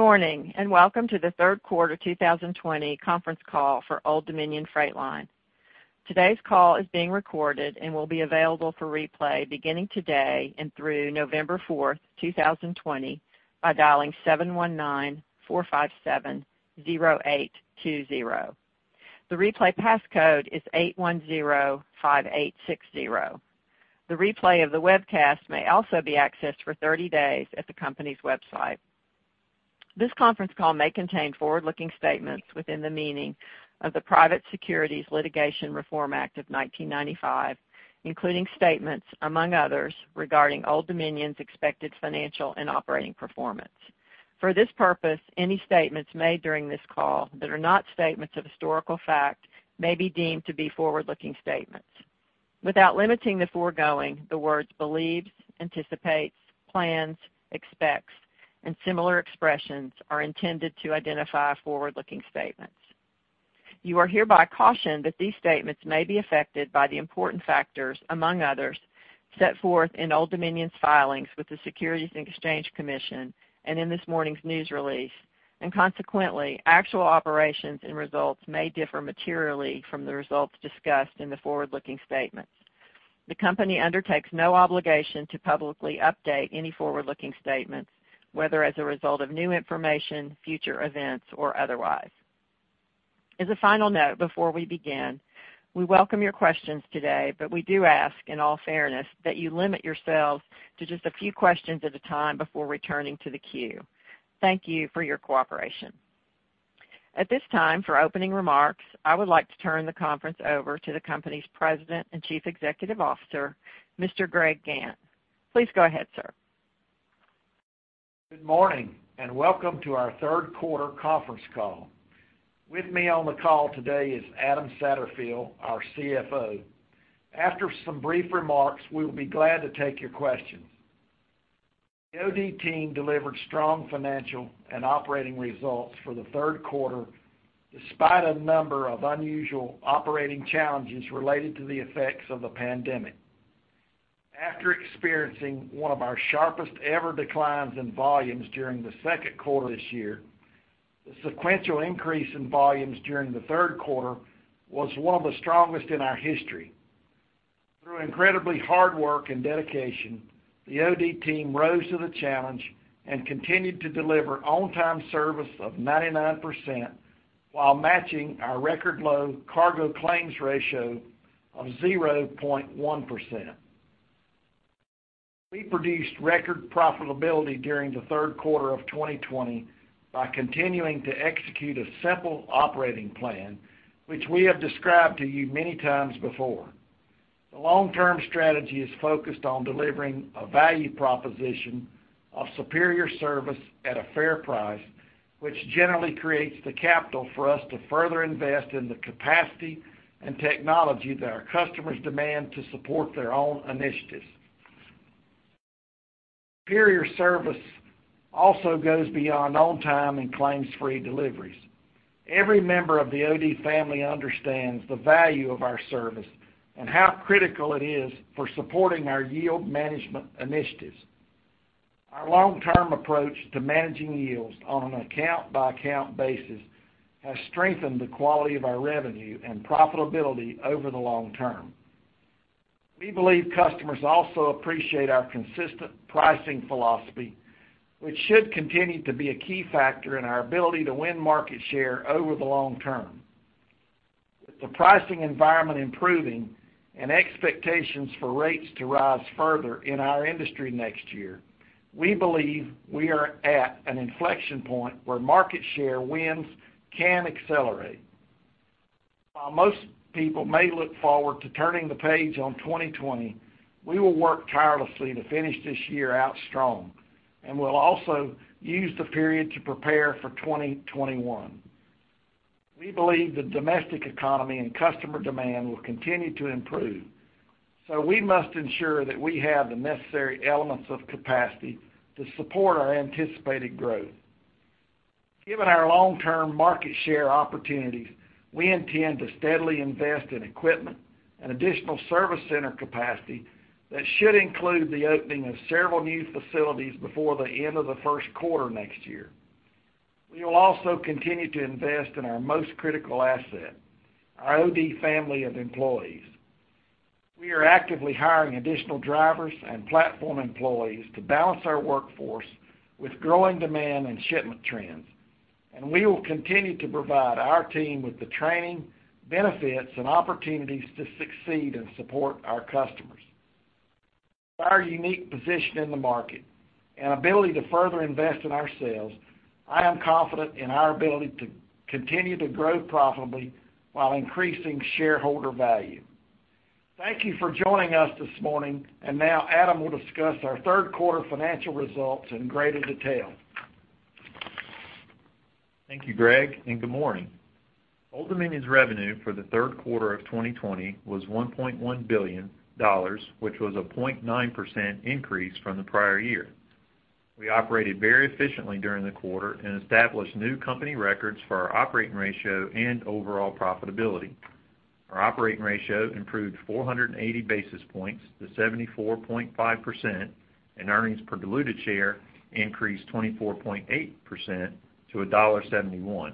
Good morning, welcome to the third quarter 2020 conference call for Old Dominion Freight Line. Today's call is being recorded and will be available for replay beginning today and through November 4, 2020, by dialing 719-457-0820. The replay passcode is 8105860. The replay of the webcast may also be accessed for 30 days at the company's website. This conference call may contain forward-looking statements within the meaning of the Private Securities Litigation Reform Act of 1995, including statements, among others, regarding Old Dominion's expected financial and operating performance. For this purpose, any statements made during this call that are not statements of historical fact may be deemed to be forward-looking statements. Without limiting the foregoing, the words believes, anticipates, plans, expects, and similar expressions are intended to identify forward-looking statements. You are hereby cautioned that these statements may be affected by the important factors, among others, set forth in Old Dominion's filings with the Securities and Exchange Commission and in this morning's news release. Consequently, actual operations and results may differ materially from the results discussed in the forward-looking statements. The company undertakes no obligation to publicly update any forward-looking statements, whether as a result of new information, future events, or otherwise. As a final note, before we begin, we welcome your questions today. We do ask, in all fairness, that you limit yourselves to just a few questions at a time before returning to the queue. Thank you for your cooperation. At this time, for opening remarks, I would like to turn the conference over to the company's President and Chief Executive Officer, Mr. Greg Gantt. Please go ahead, sir. Good morning, and welcome to our third quarter conference call. With me on the call today is Adam Satterfield, our CFO. After some brief remarks, we will be glad to take your questions. The OD team delivered strong financial and operating results for the third quarter despite a number of unusual operating challenges related to the effects of the pandemic. After experiencing one of our sharpest ever declines in volumes during the second quarter this year, the sequential increase in volumes during the third quarter was one of the strongest in our history. Through incredibly hard work and dedication, the OD team rose to the challenge and continued to deliver on-time service of 99% while matching our record low cargo claims ratio of 0.1%. We produced record profitability during the third quarter of 2020 by continuing to execute a simple operating plan which we have described to you many times before. The long-term strategy is focused on delivering a value proposition of superior service at a fair price, which generally creates the capital for us to further invest in the capacity and technology that our customers demand to support their own initiatives. Superior service also goes beyond on-time and claims-free deliveries. Every member of the OD family understands the value of our service and how critical it is for supporting our yield management initiatives. Our long-term approach to managing yields on an account-by-account basis has strengthened the quality of our revenue and profitability over the long term. We believe customers also appreciate our consistent pricing philosophy, which should continue to be a key factor in our ability to win market share over the long term. With the pricing environment improving and expectations for rates to rise further in our industry next year, we believe we are at an inflection point where market share wins can accelerate. While most people may look forward to turning the page on 2020, we will work tirelessly to finish this year out strong, and we'll also use the period to prepare for 2021. We believe the domestic economy and customer demand will continue to improve, so we must ensure that we have the necessary elements of capacity to support our anticipated growth. Given our long-term market share opportunities, we intend to steadily invest in equipment and additional service center capacity that should include the opening of several new facilities before the end of the first quarter next year. We will also continue to invest in our most critical asset, our OD family of employees. We are actively hiring additional drivers and platform employees to balance our workforce with growing demand and shipment trends, and we will continue to provide our team with the training, benefits, and opportunities to succeed and support our customers. With our unique position in the market and ability to further invest in ourselves, I am confident in our ability to continue to grow profitably while increasing shareholder value. Thank you for joining us this morning, and now Adam will discuss our third quarter financial results in greater detail. Thank you, Greg, and good morning. Old Dominion's revenue for the third quarter of 2020 was $1.1 billion, which was a 0.9% increase from the prior year. We operated very efficiently during the quarter and established new company records for our operating ratio and overall profitability. Our operating ratio improved 480 basis points to 74.5% and earnings per diluted share increased 24.8% to $1.71.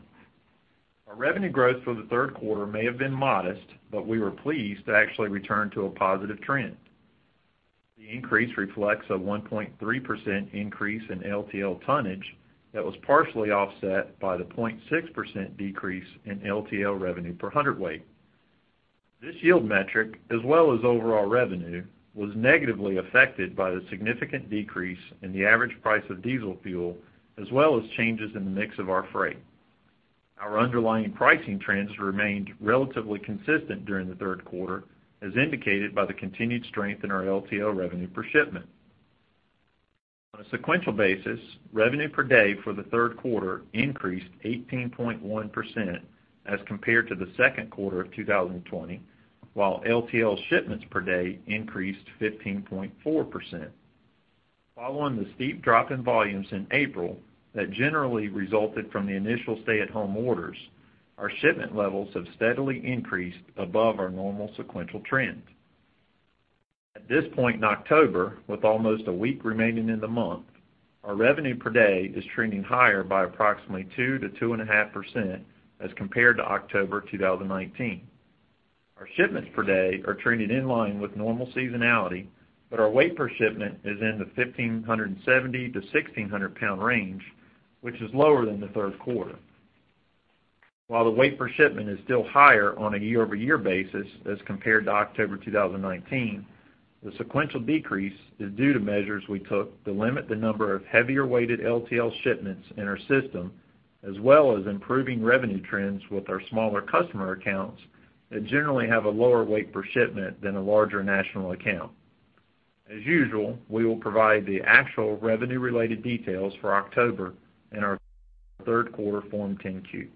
Our revenue growth for the third quarter may have been modest, but we were pleased to actually return to a positive trend. The increase reflects a 1.3% increase in LTL tonnage that was partially offset by the 0.6% decrease in LTL revenue per hundredweight. This yield metric, as well as overall revenue, was negatively affected by the significant decrease in the average price of diesel fuel, as well as changes in the mix of our freight. Our underlying pricing trends remained relatively consistent during the third quarter, as indicated by the continued strength in our LTL revenue per shipment. On a sequential basis, revenue per day for the third quarter increased 18.1% as compared to the second quarter of 2020, while LTL shipments per day increased 15.4%. Following the steep drop in volumes in April that generally resulted from the initial stay-at-home orders, our shipment levels have steadily increased above our normal sequential trends. At this point in October, with almost a week remaining in the month, our revenue per day is trending higher by approximately 2%-2.5% as compared to October 2019. Our shipments per day are trending in line with normal seasonality, but our weight per shipment is in the 1,570-1,600 pound range, which is lower than the third quarter. While the weight per shipment is still higher on a year-over-year basis as compared to October 2019, the sequential decrease is due to measures we took to limit the number of heavier weighted LTL shipments in our system, as well as improving revenue trends with our smaller customer accounts that generally have a lower weight per shipment than a larger national account. As usual, we will provide the actual revenue-related details for October in our third quarter Form 10-Q.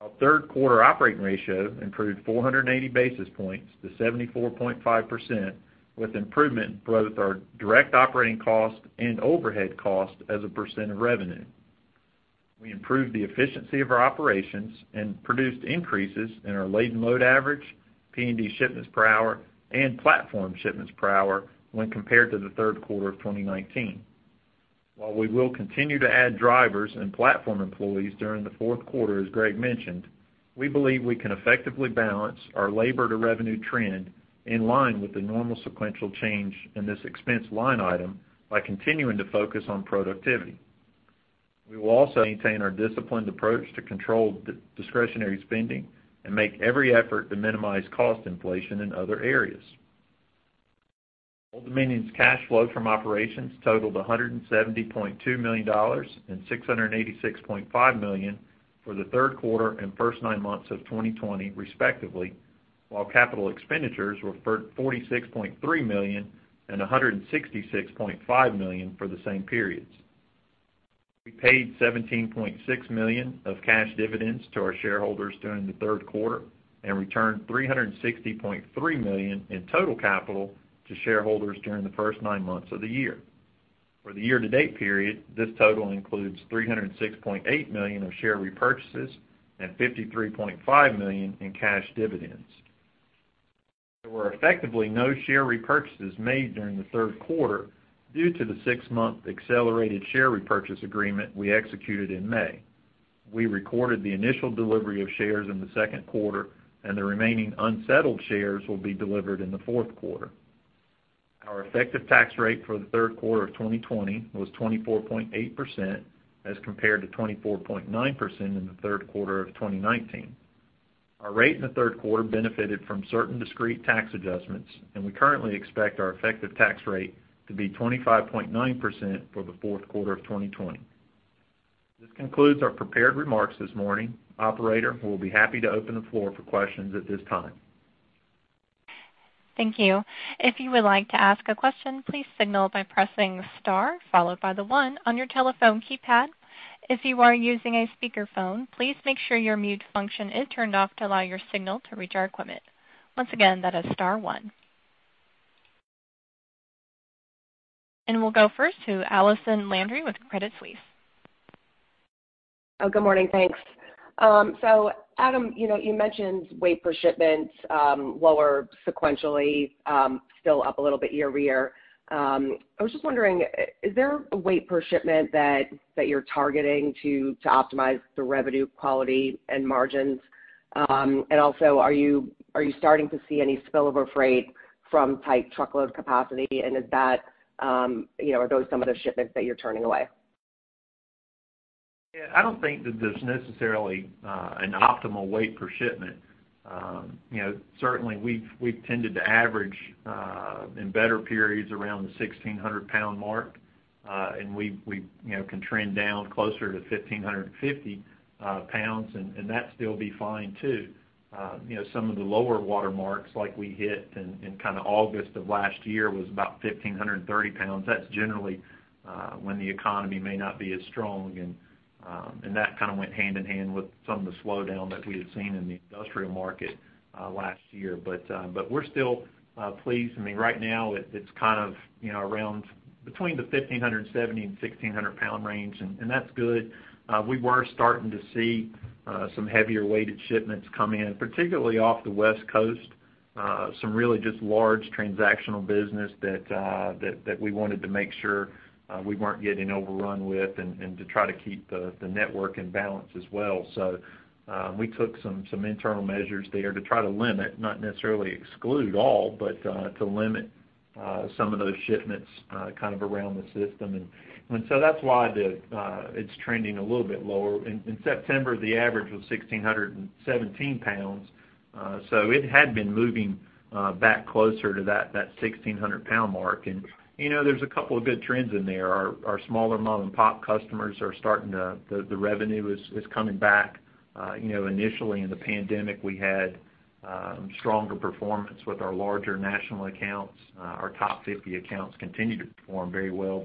Our third quarter operating ratio improved 480 basis points to 74.5%, with improvement in both our direct operating cost and overhead cost as a percent of revenue. We improved the efficiency of our operations and produced increases in our laden load average, P&D shipments per hour, and platform shipments per hour when compared to the third quarter of 2019. While we will continue to add drivers and platform employees during the fourth quarter, as Greg mentioned, we believe we can effectively balance our labor-to-revenue trend in line with the normal sequential change in this expense line item by continuing to focus on productivity. We will also maintain our disciplined approach to control discretionary spending and make every effort to minimize cost inflation in other areas. Old Dominion's cash flow from operations totaled $170.2 million and $686.5 million for the third quarter and first nine months of 2020, respectively, while capital expenditures were $46.3 million and $166.5 million for the same periods. We paid $17.6 million of cash dividends to our shareholders during the third quarter and returned $360.3 million in total capital to shareholders during the first nine months of the year. For the year-to-date period, this total includes $306.8 million of share repurchases and $53.5 million in cash dividends. There were effectively no share repurchases made during the third quarter due to the 6-month accelerated share repurchase agreement we executed in May. We recorded the initial delivery of shares in the second quarter, and the remaining unsettled shares will be delivered in the fourth quarter. Our effective tax rate for the third quarter of 2020 was 24.8% as compared to 24.9% in the third quarter of 2019. Our rate in the third quarter benefited from certain discrete tax adjustments, and we currently expect our effective tax rate to be 25.9% for the fourth quarter of 2020. This concludes our prepared remarks this morning. Operator, we'll be happy to open the floor for questions at this time. Thank you. We'll go first to Allison Landry with Credit Suisse. Good morning. Thanks. Adam, you know, you mentioned weight per shipment, lower sequentially, still up a little bit year-over-year. I was just wondering, is there a weight per shipment that you're targeting to optimize the revenue quality and margins? Also, are you starting to see any spillover freight from tight truckload capacity? Is that, you know, are those some of the shipments that you're turning away? I don't think that there's necessarily an optimal weight per shipment. You know, certainly we've tended to average in better periods around the 1,600 pound mark. We've, you know, can trend down closer to 1,550 pounds and that still be fine too. You know, some of the lower water marks like we hit in kinda August of last year was about 1,530 pounds. That's generally when the economy may not be as strong and that kinda went hand in hand with some of the slowdown that we had seen in the industrial market last year. We're still pleased. I mean, right now it's kind of, you know, around between the 1,570 and 1,600 pound range, and that's good. We were starting to see some heavier weighted shipments come in, particularly off the West Coast. Some really just large transactional business that we wanted to make sure we weren't getting overrun with and to try to keep the network in balance as well. We took some internal measures there to try to limit, not necessarily exclude all, but to limit some of those shipments kind of around the system. That's why the it's trending a little bit lower. In September, the average was 1,617 pounds. It had been moving back closer to that 1,600 pound mark. You know, there's a couple of good trends in there. Our smaller mom-and-pop customers, the revenue is coming back. You know, initially in the pandemic, we had stronger performance with our larger national accounts. Our top 50 accounts continue to perform very well.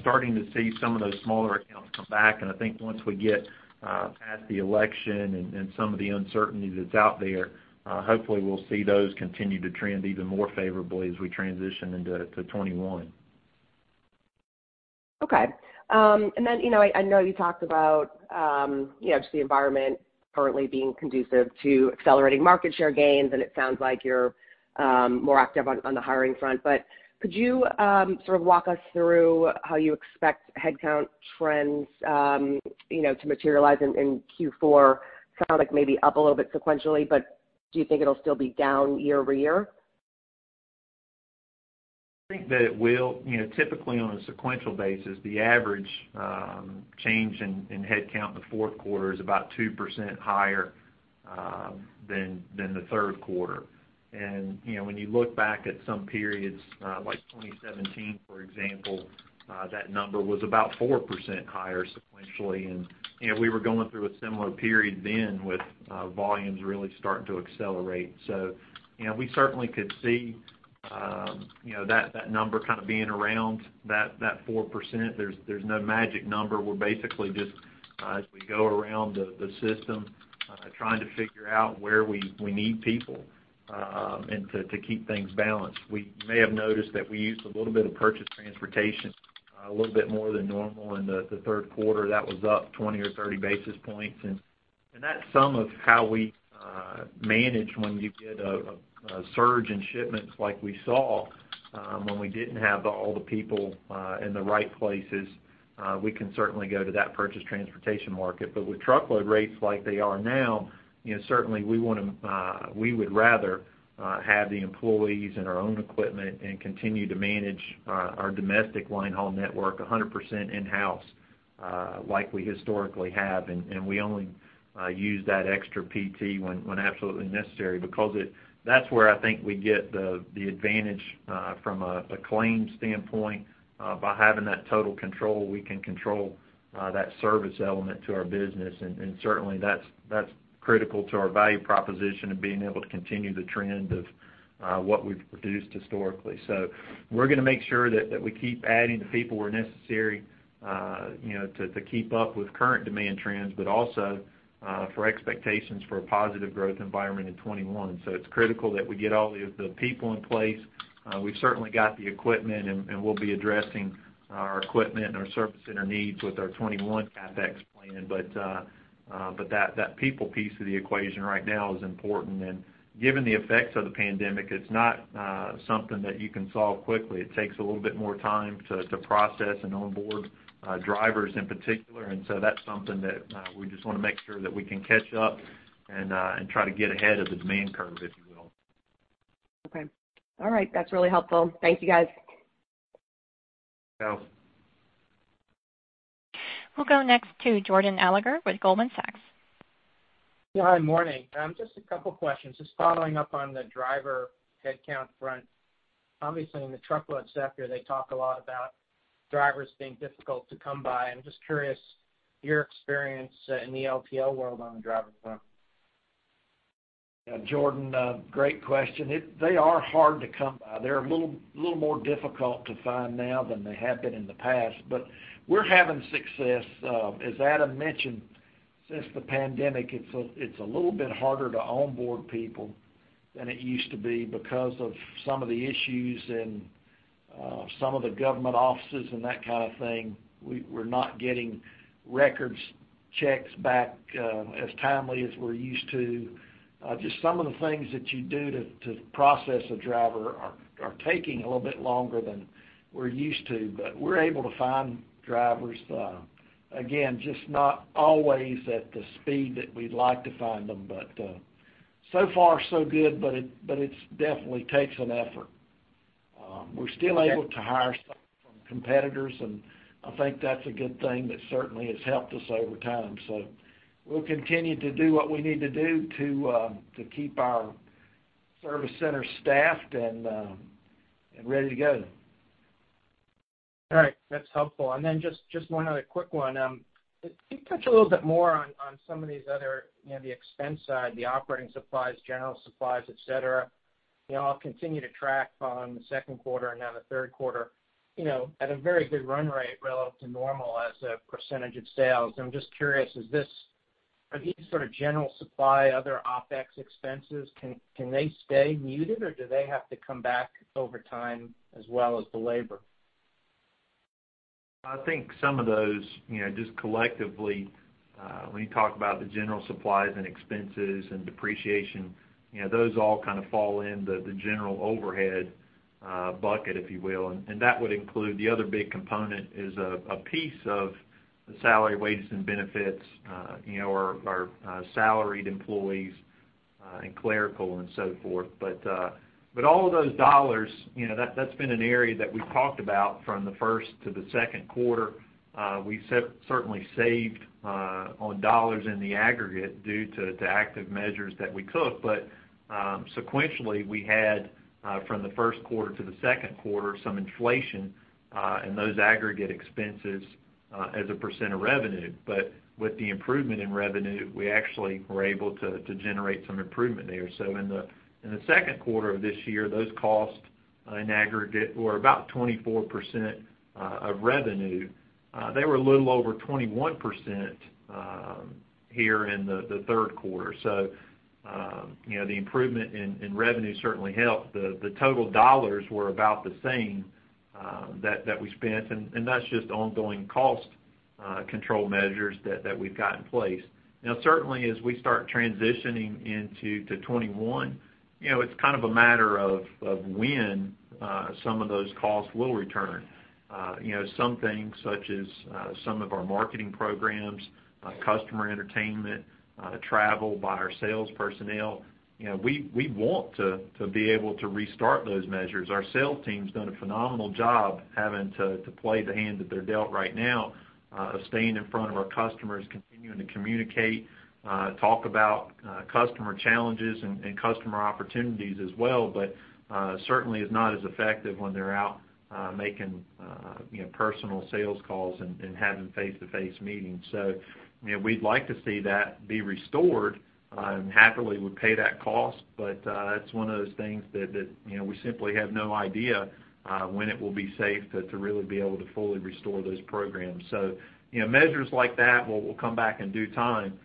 Starting to see some of those smaller accounts come back. I think once we get past the election and some of the uncertainty that's out there, hopefully we'll see those continue to trend even more favorably as we transition into 2021. Okay. You know, I know you talked about, you know, just the environment currently being conducive to accelerating market share gains, and it sounds like you're more active on the hiring front. Could you sort of walk us through how you expect headcount trends, you know, to materialize in Q4? Sounded like maybe up a little bit sequentially, but do you think it'll still be down year-over-year? I think that it will. You know, typically on a sequential basis, the average change in headcount in the fourth quarter is about 2% higher than the third quarter. You know, when you look back at some periods, like 2017, for example, that number was about 4% higher sequentially. You know, we were going through a similar period then with volumes really starting to accelerate. You know, we certainly could see, you know, that number kind of being around that 4%. There's no magic number. We're basically just as we go around the system, trying to figure out where we need people and to keep things balanced. We may have noticed that we used a little bit of purchased transportation, a little bit more than normal in the third quarter. That was up 20 or 30 basis points. That's some of how we manage when you get a surge in shipments like we saw when we didn't have all the people in the right places. We can certainly go to that purchased transportation market. With truckload rates like they are now, you know, certainly we wanna we would rather have the employees and our own equipment and continue to manage our domestic line haul network 100% in-house like we historically have. We only use that extra PT when absolutely necessary because that's where I think we get the advantage from a claim standpoint. By having that total control, we can control that service element to our business. Certainly that's critical to our value proposition of being able to continue the trend of what we've produced historically. We're gonna make sure that we keep adding the people where necessary, you know, to keep up with current demand trends, but also for expectations for a positive growth environment in 2021. It's critical that we get all the people in place. We've certainly got the equipment and we'll be addressing our equipment and our service center needs with our 2021 CapEx plan. That people piece of the equation right now is important. Given the effects of the pandemic, it's not something that you can solve quickly. It takes a little bit more time to process and onboard drivers in particular. That's something that we just wanna make sure that we can catch up and try to get ahead of the demand curve, if you will. Okay. All right. That's really helpful. Thank you, guys. You're welcome. We'll go next to Jordan Alliger with Goldman Sachs. Yeah. Morning. Just a couple questions. Just following up on the driver headcount front. Obviously, in the truckload sector, they talk a lot about drivers being difficult to come by. I'm just curious your experience in the LTL world on the driver front. Yeah, Jordan, great question. They are hard to come by. They're a little more difficult to find now than they have been in the past, but we're having success. As Adam mentioned, since the pandemic, it's a little bit harder to onboard people than it used to be because of some of the issues and some of the government offices and that kind of thing. We're not getting records checks back as timely as we're used to. Just some of the things that you do to process a driver are taking a little bit longer than we're used to. We're able to find drivers. Again, just not always at the speed that we'd like to find them. So far so good, but it definitely takes an effort. We're still able to hire some from competitors. I think that's a good thing that certainly has helped us over time. We'll continue to do what we need to do to keep our service center staffed and ready to go. All right. That's helpful. Just one other quick one. Can you touch a little bit more on some of these other, you know, the expense side, the operating supplies, general supplies, et cetera? You know, I'll continue to track on the second quarter and now the third quarter, you know, at a very good run rate relative to normal as a percentage of sales. I'm just curious, are these sort of general supply, other OpEx expenses, can they stay muted, or do they have to come back over time as well as the labor? I think some of those, you know, just collectively, when you talk about the general supplies and expenses and depreciation, you know, those all kind of fall in the general overhead bucket, if you will. That would include the other big component is a piece of the salary, wages, and benefits, you know, our salaried employees and clerical and so forth. All of those dollars, you know, that's been an area that we've talked about from the first to the second quarter. We certainly saved on dollars in the aggregate due to active measures that we took. Sequentially, we had from the first quarter to the second quarter, some inflation in those aggregate expenses as a percent of revenue. With the improvement in revenue, we actually were able to generate some improvement there. In the second quarter of this year, those costs in aggregate were about 24% of revenue. They were a little over 21% here in the third quarter. You know, the improvement in revenue certainly helped. The total dollars were about the same that we spent, and that's just ongoing cost control measures that we've got in place. Now certainly, as we start transitioning into 2021, you know, it's kind of a matter of when some of those costs will return. You know, some things, such as, some of our marketing programs, customer entertainment, travel by our sales personnel, you know, we want to be able to restart those measures. Our sales team's done a phenomenal job having to play the hand that they're dealt right now, of staying in front of our customers, continuing to communicate, talk about customer challenges and customer opportunities as well. Certainly is not as effective when they're out, making, you know, personal sales calls and having face-to-face meetings. You know, we'd like to see that be restored, happily would pay that cost, but, it's one of those things that, you know, we simply have no idea, when it will be safe to really be able to fully restore those programs. You know, measures like that will come back in due time.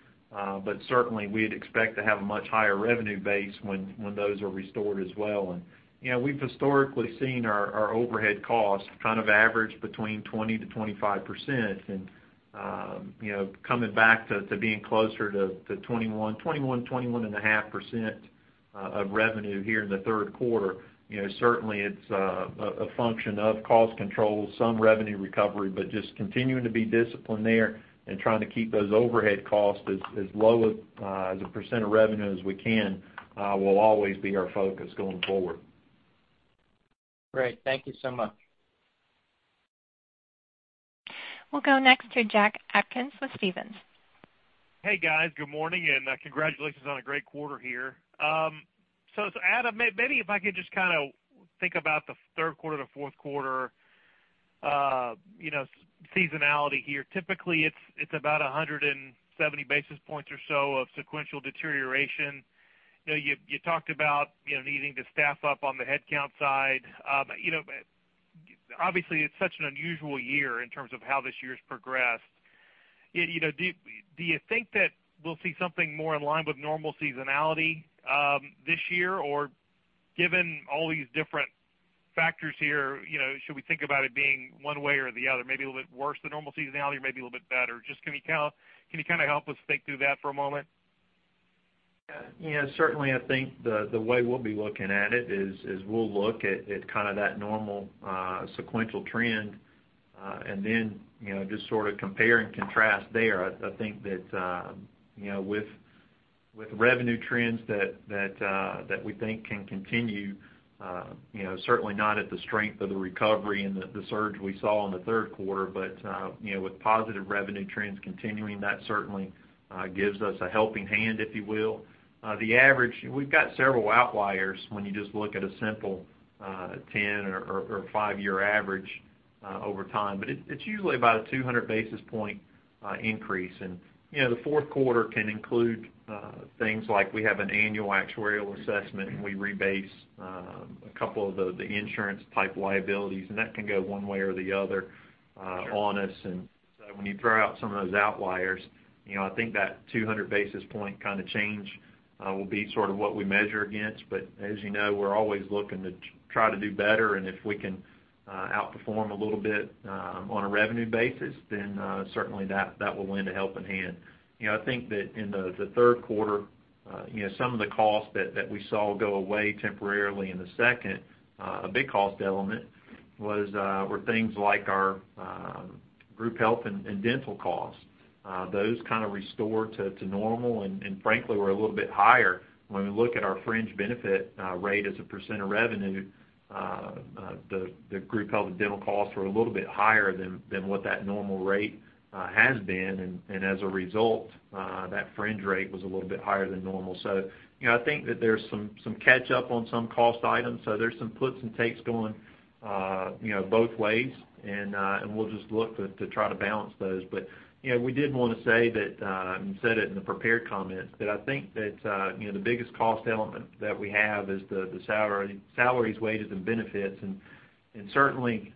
Certainly we'd expect to have a much higher revenue base when those are restored as well. You know, we've historically seen our overhead costs kind of average between 20%-25%. You know, coming back to being closer to 21.5% of revenue here in the third quarter, you know, certainly it's a function of cost control, some revenue recovery, but just continuing to be disciplined there and trying to keep those overhead costs as low a as a percent of revenue as we can, will always be our focus going forward. Great. Thank you so much. We'll go next to Jack Atkins with Stephens. Hey, guys. Good morning. Congratulations on a great quarter here. Adam, maybe if I could just kind of think about the third quarter to fourth quarter, you know, seasonality here. Typically, it's about 170 basis points or so of sequential deterioration. You know, you talked about, you know, needing to staff up on the headcount side. You know, obviously, it's such an unusual year in terms of how this year's progressed. You know, do you think that we'll see something more in line with normal seasonality, this year? Given all these different factors here, you know, should we think about it being one way or the other, maybe a little bit worse than normal seasonality or maybe a little bit better? Just can you kind of help us think through that for a moment? Yeah. Certainly, I think the way we'll be looking at it is, we'll look at kind of that normal sequential trend, and then, you know, just sort of compare and contrast there. I think that, you know, with revenue trends that we think can continue, you know, certainly not at the strength of the recovery and the surge we saw in the third quarter, but, you know, with positive revenue trends continuing, that certainly gives us a helping hand, if you will. We've got several outliers when you just look at a simple 10 or five-year average over time. It's usually about a 200 basis point increase. You know, the fourth quarter can include things like we have an annual actuarial assessment and we rebase a couple of the insurance type liabilities, and that can go one way or the other on us. When you throw out some of those outliers, you know, I think that 200 basis point kind of change will be sort of what we measure against. As you know, we're always looking to try to do better, and if we can outperform a little bit on a revenue basis, then certainly that will lend a helping hand. You know, I think that in the third quarter, you know, some of the costs that we saw go away temporarily in the second, a big cost element was things like our group health and dental costs. Those kind of restored to normal, and frankly were a little bit higher. When we look at our fringe benefit rate as a % of revenue, the group health and dental costs were a little bit higher than what that normal rate has been. As a result, that fringe rate was a little bit higher than normal. You know, I think that there's some catch up on some cost items. There's some puts and takes going, you know, both ways. We'll just look to try to balance those. You know, we did want to say that, and said it in the prepared comments, that I think that, you know, the biggest cost element that we have is the salaries, wages, and benefits. Certainly,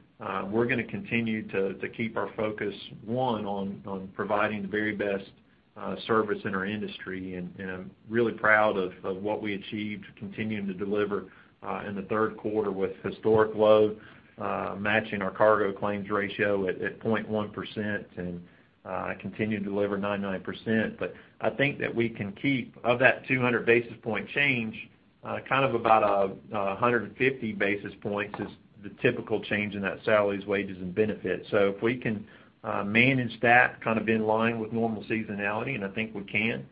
we're going to continue to keep our focus, one, on providing the very best service in our industry. I'm really proud of what we achieved continuing to deliver in the third quarter with historic low, matching our cargo claims ratio at 0.1% and continue to deliver 99%. I think that we can keep of that 200 basis point change. Kind of about 150 basis points is the typical change in that salaries, wages, and benefits. If we can manage that kind of in line with normal seasonality, and I think we can,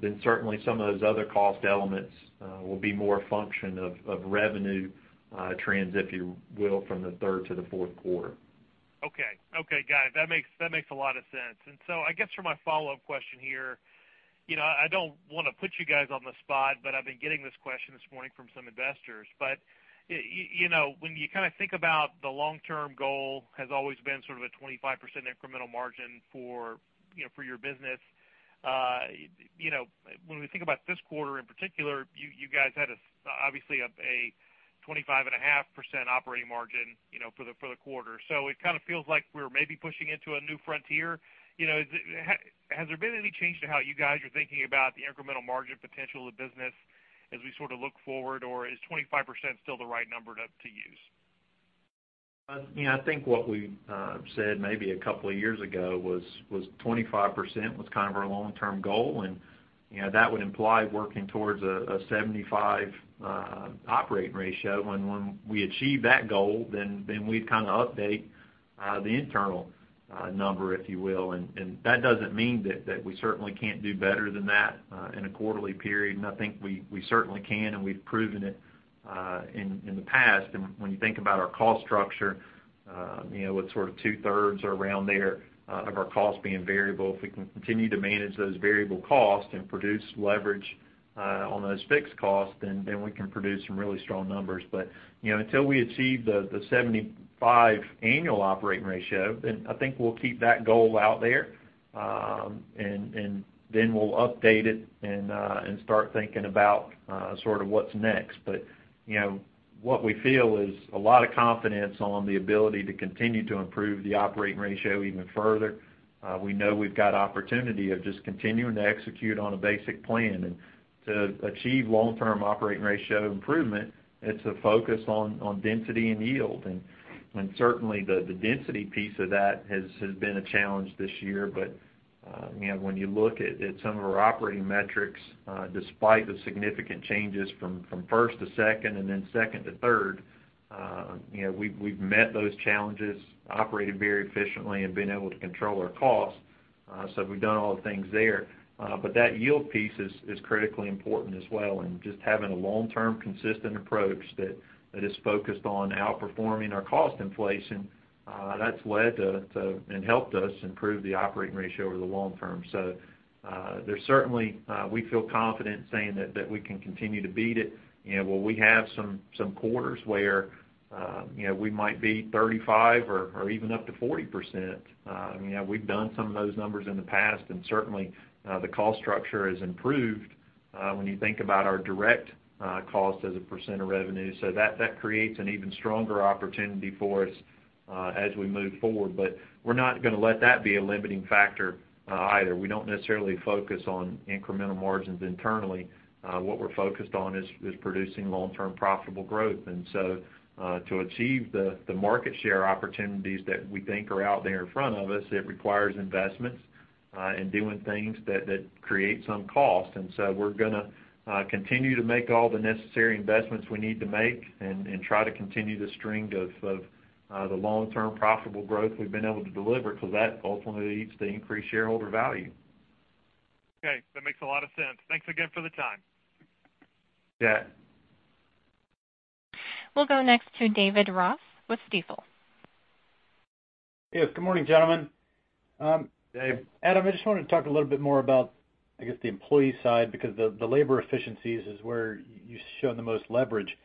then certainly some of those other cost elements will be more a function of revenue trends, if you will, from the third to the fourth quarter. Okay. Okay, got it. That makes a lot of sense. I guess for my follow-up question here, you know, I don't wanna put you guys on the spot, but I've been getting this question this morning from some investors. You know, when you kinda think about the long-term goal has always been sort of a 25% incremental margin for, you know, for your business, you know, when we think about this quarter in particular, you guys had obviously a 25.5% operating margin, you know, for the quarter. It kinda feels like we're maybe pushing into a new frontier. You know, has there been any change to how you guys are thinking about the incremental margin potential of the business as we sort of look forward, or is 25% still the right number to use? You know, I think what we said maybe a couple of years ago was 25% was kind of our long-term goal. You know, that would imply working towards a 75 operating ratio. When we achieve that goal, then we'd kind of update the internal number, if you will. That doesn't mean that we certainly can't do better than that in a quarterly period. I think we certainly can, and we've proven it in the past. When you think about our cost structure, you know, with sort of two-thirds or around there of our costs being variable, if we can continue to manage those variable costs and produce leverage on those fixed costs, then we can produce some really strong numbers. You know, until we achieve the 75 annual operating ratio, then I think we'll keep that goal out there. We'll update it and start thinking about sort of what's next. You know, what we feel is a lot of confidence on the ability to continue to improve the operating ratio even further. We know we've got opportunity of just continuing to execute on a basic plan. To achieve long-term operating ratio improvement, it's a focus on density and yield. Certainly the density piece of that has been a challenge this year. You know, when you look at some of our operating metrics, despite the significant changes from first to second and then second to third, you know, we've met those challenges, operated very efficiently, and been able to control our costs. We've done all the things there. That yield piece is critically important as well. Just having a long-term consistent approach that is focused on outperforming our cost inflation, that's led to and helped us improve the operating ratio over the long term. There's certainly, we feel confident saying that we can continue to beat it. You know, will we have some quarters where, you know, we might be 35 or even up to 40%? I mean, we've done some of those numbers in the past, and certainly, the cost structure has improved, when you think about our direct cost as a % of revenue. That, that creates an even stronger opportunity for us as we move forward. We're not gonna let that be a limiting factor either. We don't necessarily focus on incremental margins internally. What we're focused on is producing long-term profitable growth. To achieve the market share opportunities that we think are out there in front of us, it requires investments and doing things that create some cost. We're gonna continue to make all the necessary investments we need to make and try to continue the string of the long-term profitable growth we've been able to deliver because that ultimately leads to increased shareholder value. Okay. That makes a lot of sense. Thanks again for the time. Yeah. We'll go next to David Ross with Stifel. Yes. Good morning, gentlemen. Dave. Adam, I just wanted to talk a little bit more about, I guess, the employee side because the labor efficiencies is where you show the most leverage.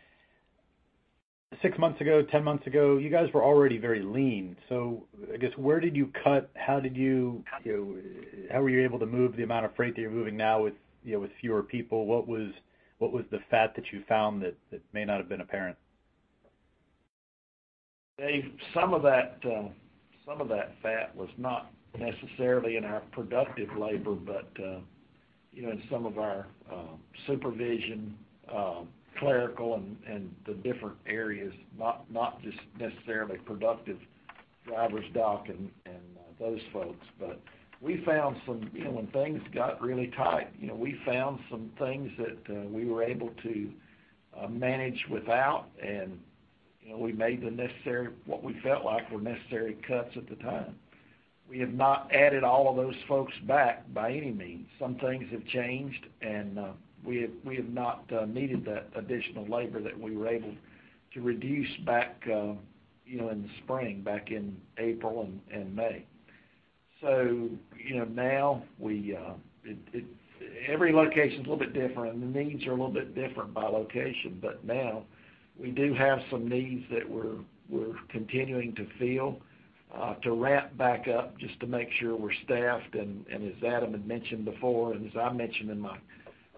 Six months ago, 10 months ago, you guys were already very lean. I guess, where did you cut? How did you know, how were you able to move the amount of freight that you're moving now with, you know, with fewer people? What was the fat that you found that may not have been apparent? Dave, some of that, some of that fat was not necessarily in our productive labor, but, you know, in some of our supervision, clerical, and the different areas, not just necessarily productive drivers, dock, and those folks. You know, when things got really tight, you know, we found some things that we were able to manage without. You know, we made the necessary, what we felt like were necessary cuts at the time. We have not added all of those folks back by any means. Some things have changed, and we have not needed that additional labor that we were able to reduce back, you know, in the spring, back in April and May. You know, now we, every location's a little bit different, and the needs are a little bit different by location. Now we do have some needs that we're continuing to fill, to ramp back up just to make sure we're staffed. And as Adam had mentioned before and as I mentioned in my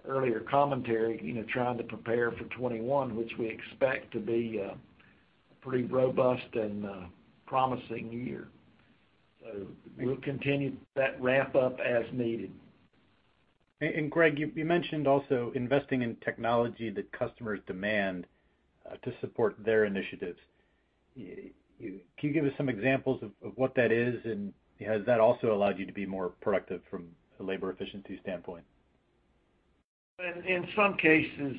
earlier commentary, you know, trying to prepare for 2021, which we expect to be a pretty robust and promising year. We'll continue that ramp up as needed. Greg, you mentioned also investing in technology that customers demand to support their initiatives. Can you give us some examples of what that is? Has that also allowed you to be more productive from a labor efficiency standpoint? In some cases,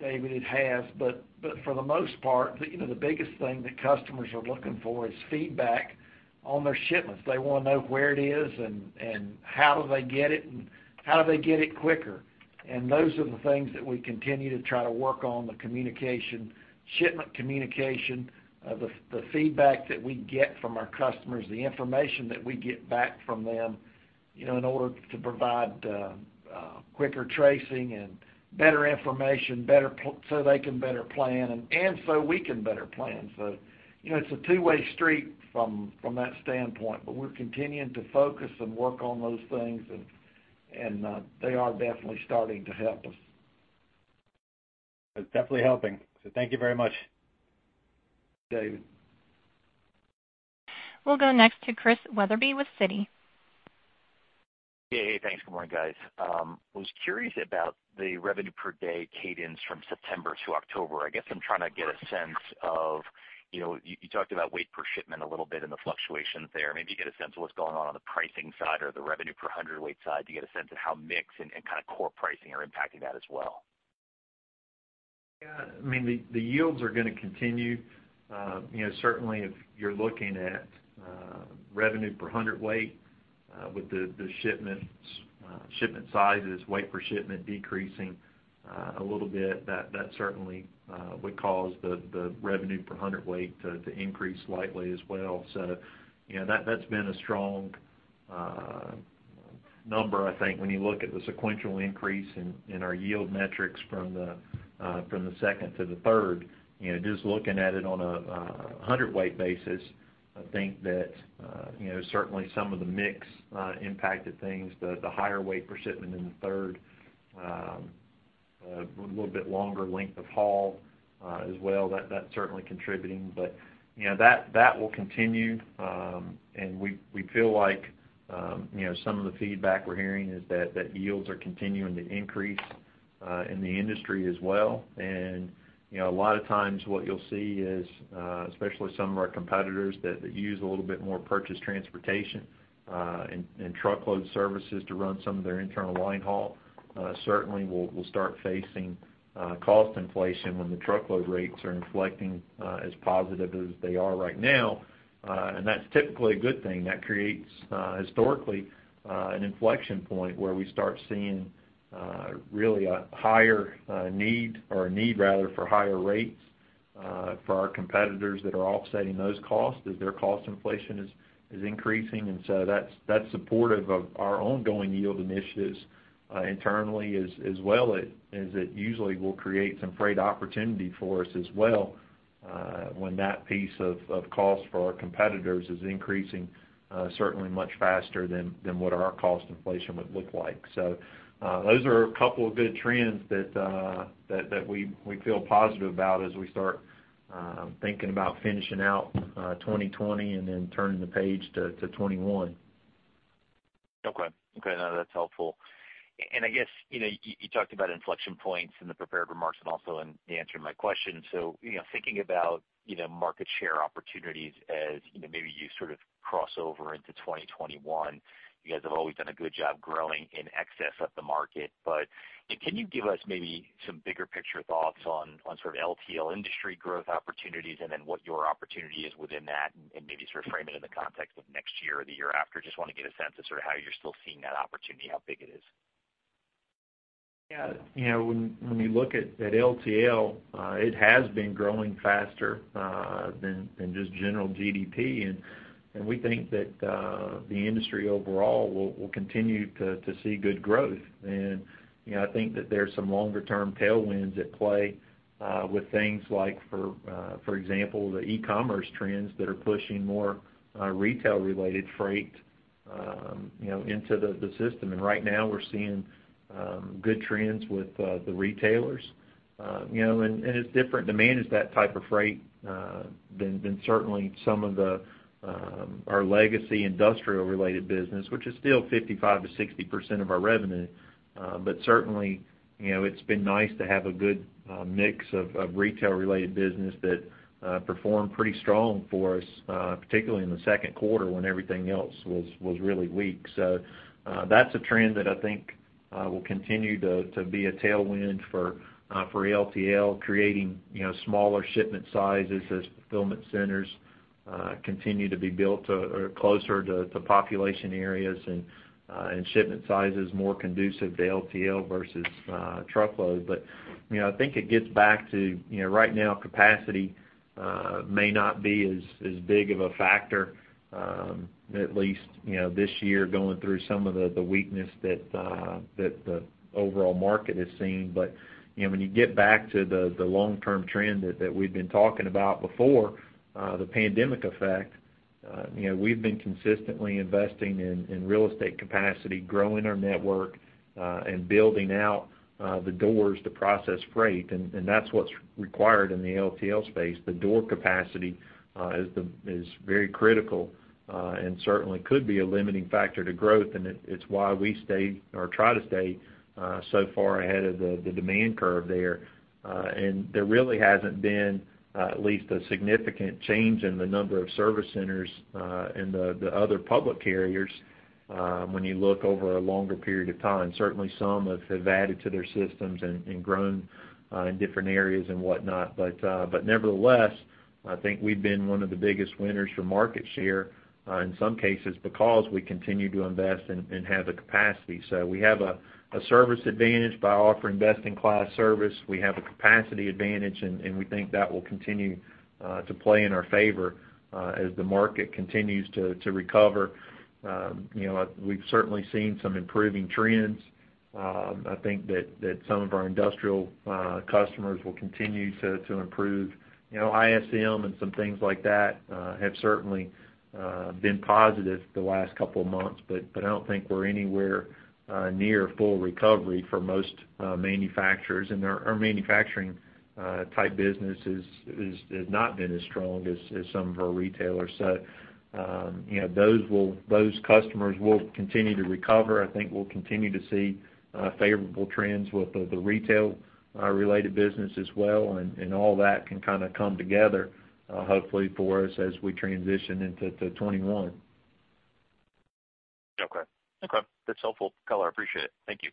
David, it has, but for the most part, you know, the biggest thing that customers are looking for is feedback on their shipments. They wanna know where it is and how do they get it and how do they get it quicker. Those are the things that we continue to try to work on, the communication, shipment communication, the feedback that we get from our customers, the information that we get back from them, you know, in order to provide quicker tracing and better information so they can better plan and so we can better plan. You know, it's a two-way street from that standpoint, but we're continuing to focus and work on those things and they are definitely starting to help us. It's definitely helping. Thank you very much. David. We'll go next to Chris Wetherbee with Citi. Yeah. Hey, thanks. Good morning, guys. Was curious about the revenue per day cadence from September to October. I guess I'm trying to get a sense of, you know, you talked about weight per shipment a little bit and the fluctuations there. Maybe you get a sense of what's going on on the pricing side or the revenue per hundredweight side. Do you get a sense of how mix and kinda core pricing are impacting that as well? Yeah. I mean, the yields are going to continue. You know, certainly if you're looking at revenue per hundredweight, with the shipments, shipment sizes, weight per shipment decreasing a little bit, that certainly would cause the revenue per hundredweight to increase slightly as well. You know, that's been a strong number, I think, when you look at the sequential increase in our yield metrics from the second to the third. You know, just looking at it on a hundredweight basis, I think that, you know, certainly some of the mix impacted things. The higher weight per shipment in the third, a little bit longer length of haul as well, that's certainly contributing. You know, that will continue. We feel like, you know, some of the feedback we're hearing is that yields are continuing to increase in the industry as well. You know, a lot of times what you'll see is, especially some of our competitors that use a little bit more purchased transportation, and truckload services to run some of their internal line haul, certainly will start facing cost inflation when the truckload rates are inflecting as positive as they are right now. That's typically a good thing. That creates, historically, an inflection point where we start seeing really a higher need or a need rather for higher rates for our competitors that are offsetting those costs as their cost inflation is increasing. That's supportive of our ongoing yield initiatives internally as well as it usually will create some freight opportunity for us as well when that piece of cost for our competitors is increasing certainly much faster than what our cost inflation would look like. Those are a couple of good trends that we feel positive about as we start thinking about finishing out 2020 and then turning the page to 2021. Okay. Okay, no, that's helpful. I guess, you know, you talked about inflection points in the prepared remarks and also in the answer to my question. You know, thinking about, you know, market share opportunities as, you know, maybe you sort of cross over into 2021, you guys have always done a good job growing in excess of the market. Can you give us maybe some bigger picture thoughts on sort of LTL industry growth opportunities and then what your opportunity is within that and maybe sort of frame it in the context of next year or the year after? Just wanna get a sense of sort of how you're still seeing that opportunity, how big it is. Yeah. You know, when you look at LTL, it has been growing faster than just general GDP. We think that the industry overall will continue to see good growth. You know, I think that there's some longer term tailwinds at play with things like for example, the e-commerce trends that are pushing more retail related freight, you know, into the system. Right now we're seeing good trends with the retailers. You know, it's different. The demand is that type of freight than certainly some of our legacy industrial related business, which is still 55%-60% of our revenue. Certainly, you know, it's been nice to have a good mix of retail related business that performed pretty strong for us, particularly in the second quarter when everything else was really weak. That's a trend that I think will continue to be a tailwind for LTL, creating, you know, smaller shipment sizes as fulfillment centers continue to be built closer to population areas and shipment size is more conducive to LTL versus truckload. You know, I think it gets back to, you know, right now capacity may not be as big of a factor, at least, you know, this year going through some of the weakness that the overall market has seen. You know, when you get back to the long-term trend that we've been talking about before, the pandemic effect, you know, we've been consistently investing in real estate capacity, growing our network, and building out, the doors to process freight. That's what's required in the LTL space, the door capacity is very critical, and certainly could be a limiting factor to growth, and it's why we stay or try to stay so far ahead of the demand curve there. There really hasn't been at least a significant change in the number of service centers in the other public carriers when you look over a longer period of time. Certainly some have added to their systems and grown in different areas and whatnot. Nevertheless, I think we've been one of the biggest winners for market share in some cases because we continue to invest and have the capacity. We have a service advantage by offering best-in-class service. We have a capacity advantage, and we think that will continue to play in our favor as the market continues to recover. You know, we've certainly seen some improving trends. I think that some of our industrial customers will continue to improve. You know, ISM and some things like that have certainly been positive the last couple of months. I don't think we're anywhere near full recovery for most manufacturers. Our manufacturing type business has not been as strong as some of our retailers. You know, those customers will continue to recover. I think we'll continue to see favorable trends with the retail related business as well, and all that can kind of come together hopefully for us as we transition into 2021. Okay. Okay. That's helpful color. I appreciate it. Thank you.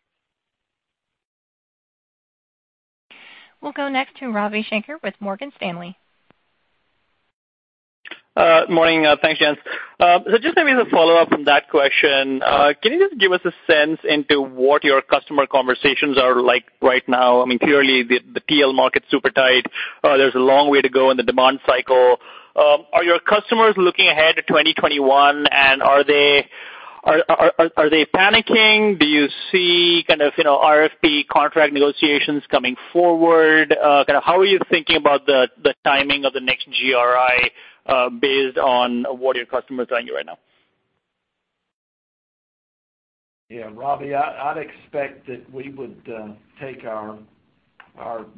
We'll go next to Ravi Shanker with Morgan Stanley. Morning. Thanks, gents. Just maybe as a follow-up from that question, can you just give us a sense into what your customer conversations are like right now? I mean, clearly the TL market's super tight. There's a long way to go in the demand cycle. Are your customers looking ahead to 2021, and are they panicking? Do you see kind of, you know, RFP contract negotiations coming forward? Kind of how are you thinking about the timing of the next GRI, based on what your customers are telling you right now? Yeah, Ravi, I'd expect that we would take our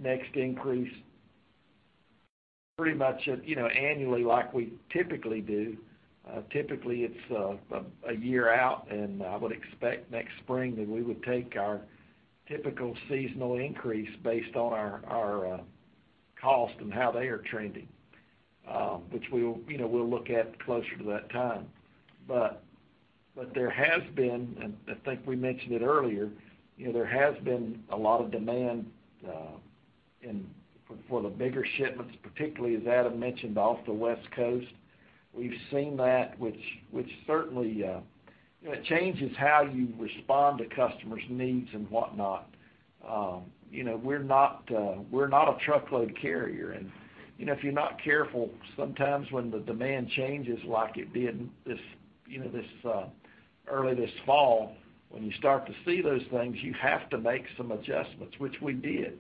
next increase pretty much at, you know, annually like we typically do. Typically it's a year out, and I would expect next spring that we would take our typical seasonal increase based on our cost and how they are trending, which we will, you know, we'll look at closer to that time. But there has been, and I think we mentioned it earlier, you know, there has been a lot of demand for the bigger shipments, particularly as Adam mentioned off the West Coast. We've seen that, which certainly, you know, it changes how you respond to customers' needs and whatnot. You know, we're not a truckload carrier. You know, if you're not careful, sometimes when the demand changes like it did this, you know, this early this fall, when you start to see those things, you have to make some adjustments, which we did.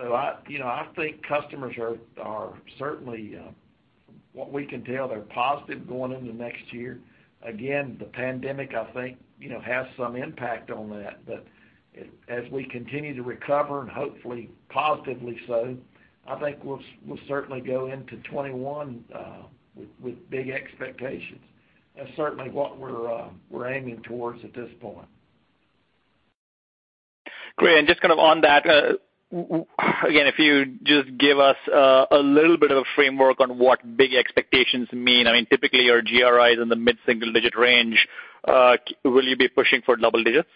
I, you know, I think customers are certainly, from what we can tell, they're positive going into next year. Again, the pandemic I think, you know, has some impact on that. As we continue to recover and hopefully positively so, I think we'll certainly go into 2021, with big expectations. That's certainly what we're aiming towards at this point. Great. Just kind of on that, again, if you just give us a little bit of a framework on what big expectations mean. I mean, typically your GRI is in the mid-single digit range. Will you be pushing for double digits?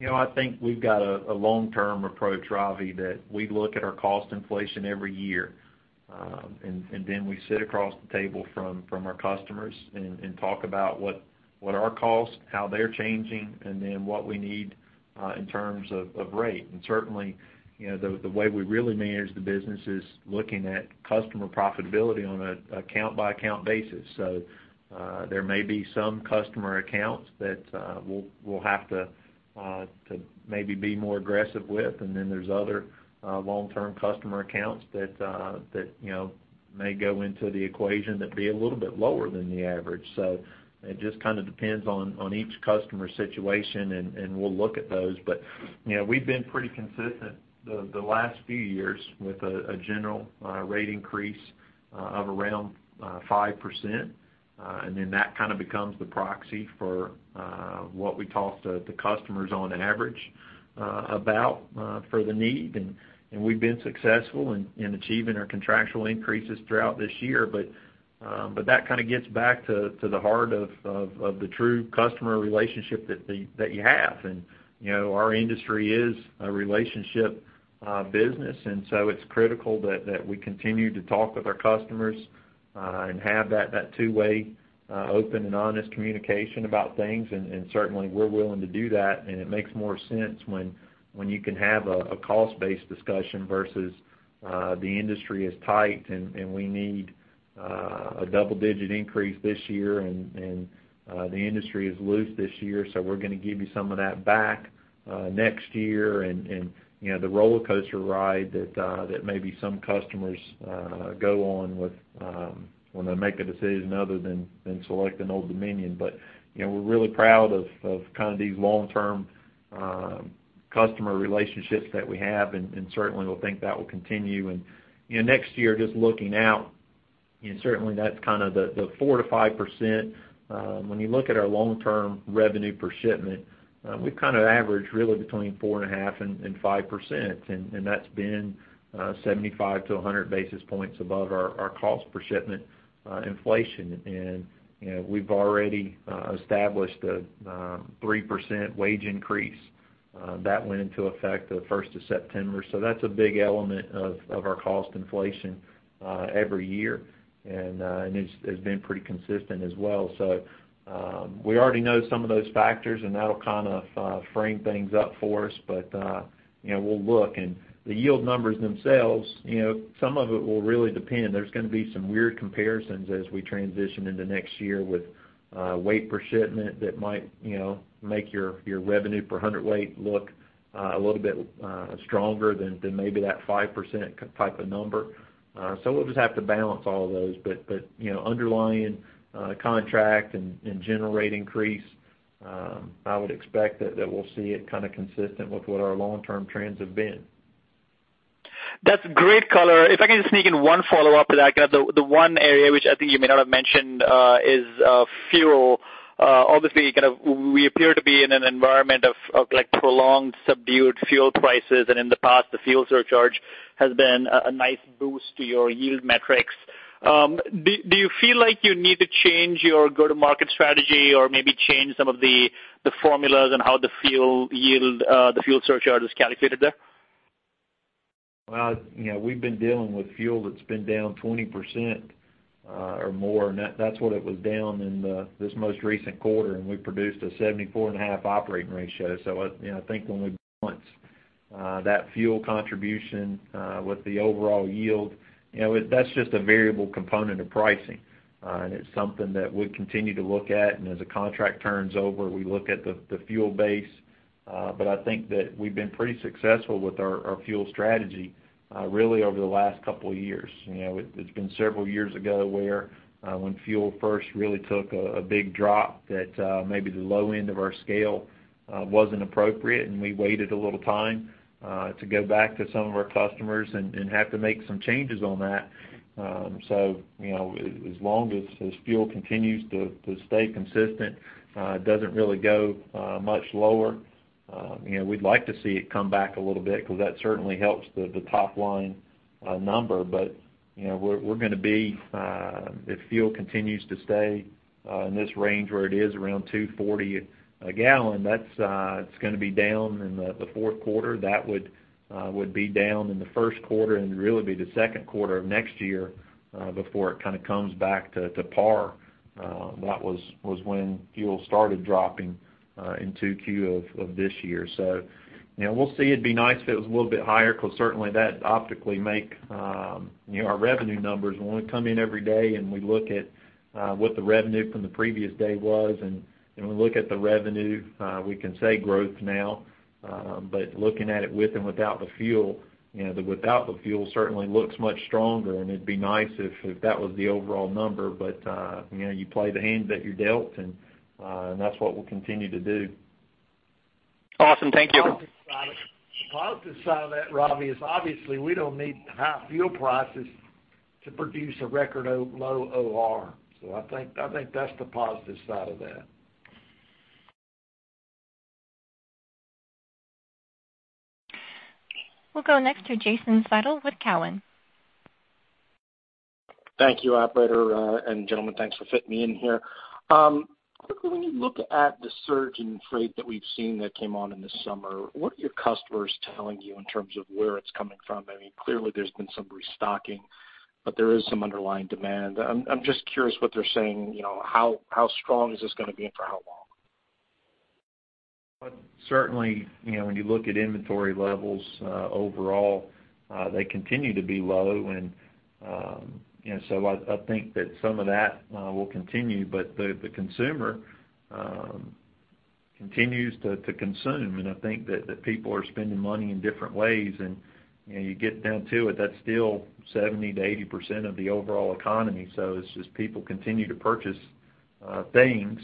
You know, I think we've got a long-term approach, Ravi, that we look at our cost inflation every year. Then we sit across the table from our customers and talk about what are our costs, how they're changing, and then what we need in terms of rate. Certainly, you know, the way we really manage the business is looking at customer profitability on a account-by-account basis. There may be some customer accounts that we'll have to maybe be more aggressive with, and then there's other long-term customer accounts that, you know, may go into the equation that'd be a little bit lower than the average. It just kind of depends on each customer situation, and we'll look at those. You know, we've been pretty consistent the last few years with a general rate increase of around 5%. That kind of becomes the proxy for what we talk to customers on average about for the need. We've been successful in achieving our contractual increases throughout this year. That kind of gets back to the heart of the true customer relationship that you have. You know, our industry is a relationship business. It's critical that we continue to talk with our customers and have that two-way open and honest communication about things. Certainly we're willing to do that. It makes more sense when you can have a cost-based discussion versus the industry is tight, we need a double-digit increase this year, the industry is loose this year, so we're gonna give you some of that back next year. You know, the rollercoaster ride that maybe some customers go on with when they make a decision other than select an Old Dominion. You know, we're really proud of kind of these long-term customer relationships that we have, and certainly we'll think that will continue. You know, next year, just looking out, you know, certainly that's kind of the 4% to 5%. When you look at our long-term revenue per shipment, we've kinda averaged really between 4.5% and 5%. That's been 75 to 100 basis points above our cost per shipment inflation. You know, we've already established a 3% wage increase that went into effect the first of September. That's a big element of our cost inflation every year. It's been pretty consistent as well. We already know some of those factors, and that'll kinda frame things up for us. You know, we'll look. The yield numbers themselves, you know, some of it will really depend. There's gonna be some weird comparisons as we transition into next year with weight per shipment that might, you know, make your revenue per hundredweight look a little bit stronger than maybe that 5% type of number. We'll just have to balance all of those. But, you know, underlying, contract and general rate increase, I would expect that we'll see it kinda consistent with what our long-term trends have been. That's great color. If I can just sneak in one follow-up to that. The one area which I think you may not have mentioned is fuel. Obviously, kind of we appear to be in an environment of like prolonged subdued fuel prices. In the past, the fuel surcharge has been a nice boost to your yield metrics. Do you feel like you need to change your go-to-market strategy or maybe change some of the formulas and how the fuel yield, the fuel surcharge is calculated there? Well, you know, we've been dealing with fuel that's been down 20% or more. That's what it was down in this most recent quarter, and we produced a seventy-four and a half operating ratio. I, you know, I think when we balance that fuel contribution with the overall yield, you know, that's just a variable component of pricing. It's something that we continue to look at. As a contract turns over, we look at the fuel base. I think that we've been pretty successful with our fuel strategy really over the last couple of years. You know, it's been several years ago where when fuel first really took a big drop that maybe the low end of our scale wasn't appropriate, and we waited a little time to go back to some of our customers and have to make some changes on that. You know, as long as fuel continues to stay consistent, it doesn't really go much lower. You know, we'd like to see it come back a little bit 'cause that certainly helps the top line number. You know, we're gonna be if fuel continues to stay in this range where it is around $2.40 a gallon, that's it's gonna be down in the fourth quarter. That would be down in the first quarter and really be the second quarter of next year before it kind of comes back to par. That was when fuel started dropping in 2Q of this year. You know, we'll see. It'd be nice if it was a little bit higher because certainly that optically make, you know, our revenue numbers. When we come in every day and we look at what the revenue from the previous day was, and then we look at the revenue, we can say growth now. Looking at it with and without the fuel, you know, the without the fuel certainly looks much stronger, and it'd be nice if that was the overall number. You know, you play the hand that you're dealt and that's what we'll continue to do. Awesome. Thank you. The positive side of that, Ravi, is obviously we don't need high fuel prices to produce a record low OR. I think that's the positive side of that. We'll go next to Jason Seidl with Cowen. Thank you, operator. Gentlemen, thanks for fitting me in here. Quickly, when you look at the surge in freight that we've seen that came on in the summer, what are your customers telling you in terms of where it's coming from? I mean, clearly there's been some restocking, but there is some underlying demand. I'm just curious what they're saying, you know, how strong is this gonna be and for how long? Well, certainly, you know, when you look at inventory levels, overall, they continue to be low. You know, so I think that some of that will continue. The consumer continues to consume. I think that people are spending money in different ways. You know, you get down to it, that's still 70%-80% of the overall economy. It's just people continue to purchase things,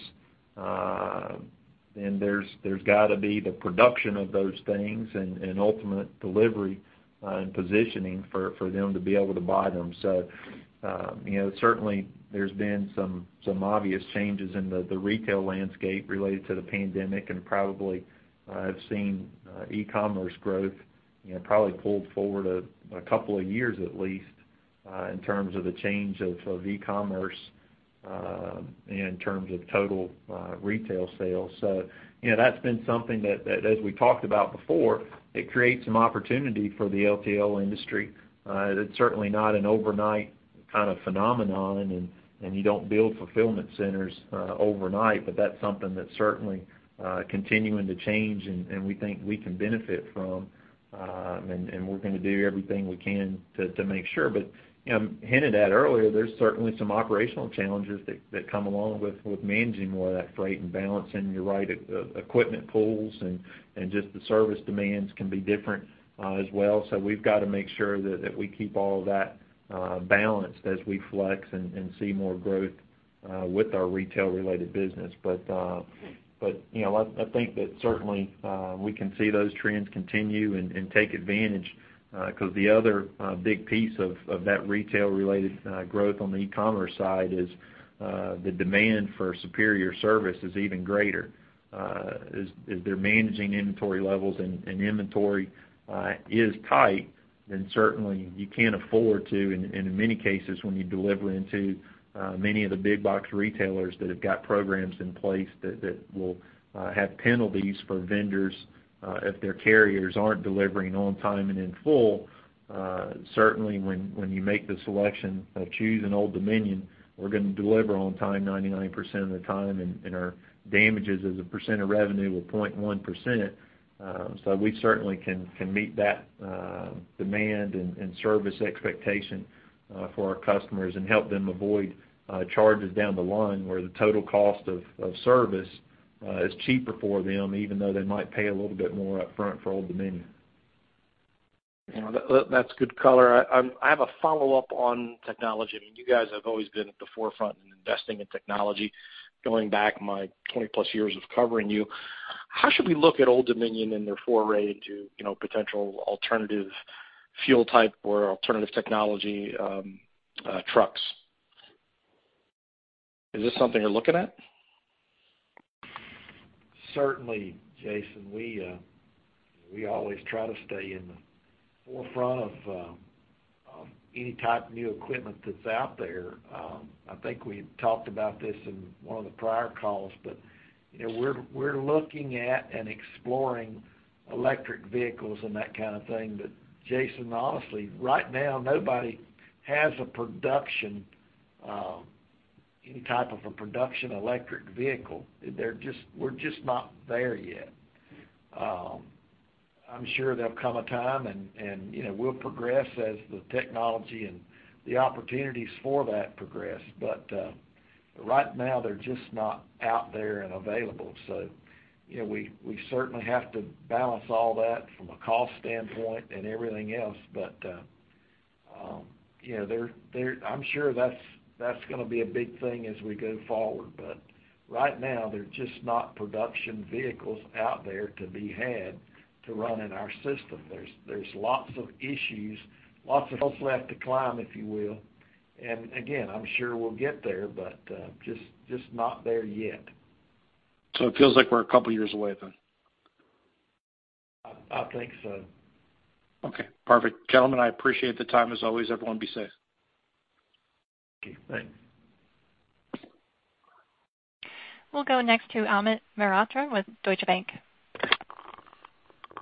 then there's gotta be the production of those things and ultimate delivery and positioning for them to be able to buy them. you know, certainly there's been some obvious changes in the retail landscape related to the pandemic and probably have seen e-commerce growth, you know, probably pulled forward a couple of years at least in terms of the change of e-commerce in terms of total retail sales. you know, that's been something that as we talked about before, it creates some opportunity for the LTL industry. It's certainly not an overnight kind of phenomenon and you don't build fulfillment centers overnight. That's something that's certainly continuing to change and we think we can benefit from and we're gonna do everything we can to make sure. You know, I hinted at earlier, there's certainly some operational challenges that come along with managing more of that freight and balancing your right equipment pools and just the service demands can be different as well. We've got to make sure that we keep all of that balanced as we flex and see more growth. With our retail-related business. You know, I think that certainly we can see those trends continue and take advantage, 'cause the other big piece of that retail-related growth on the e-commerce side is the demand for superior service is even greater. As they're managing inventory levels and inventory is tight, certainly you can't afford to, and in many cases when you deliver into many of the big box retailers that have got programs in place that will have penalties for vendors if their carriers aren't delivering on time and in full. Certainly when you make the selection of choosing Old Dominion, we're gonna deliver on time 99% of the time, and our damages as a percent of revenue of 0.1%. We certainly can meet that demand and service expectation for our customers and help them avoid charges down the line where the total cost of service is cheaper for them, even though they might pay a little bit more upfront for Old Dominion. You know, that's good color. I have a follow-up on technology. I mean, you guys have always been at the forefront in investing in technology going back my 20+ years of covering you. How should we look at Old Dominion and their foray into, you know, potential alternative fuel type or alternative technology trucks? Is this something you're looking at? Certainly, Jason. We always try to stay in the forefront of any type of new equipment that's out there. I think we talked about this in one of the prior calls. You know, we're looking at and exploring electric vehicles and that kind of thing. Jason, honestly, right now, nobody has a production any type of a production electric vehicle. We're just not there yet. I'm sure there'll come a time and, you know, we'll progress as the technology and the opportunities for that progress. Right now, they're just not out there and available. You know, we certainly have to balance all that from a cost standpoint and everything else. You know, they're I'm sure that's gonna be a big thing as we go forward. Right now, they're just not production vehicles out there to be had to run in our system. There's lots of issues, lots of hills left to climb, if you will. Again, I'm sure we'll get there, but just not there yet. It feels like we're a couple years away then? I think so. Okay, perfect. Gentlemen, I appreciate the time as always. Everyone be safe. Okay, bye. We'll go next to Amit Mehrotra with Deutsche Bank.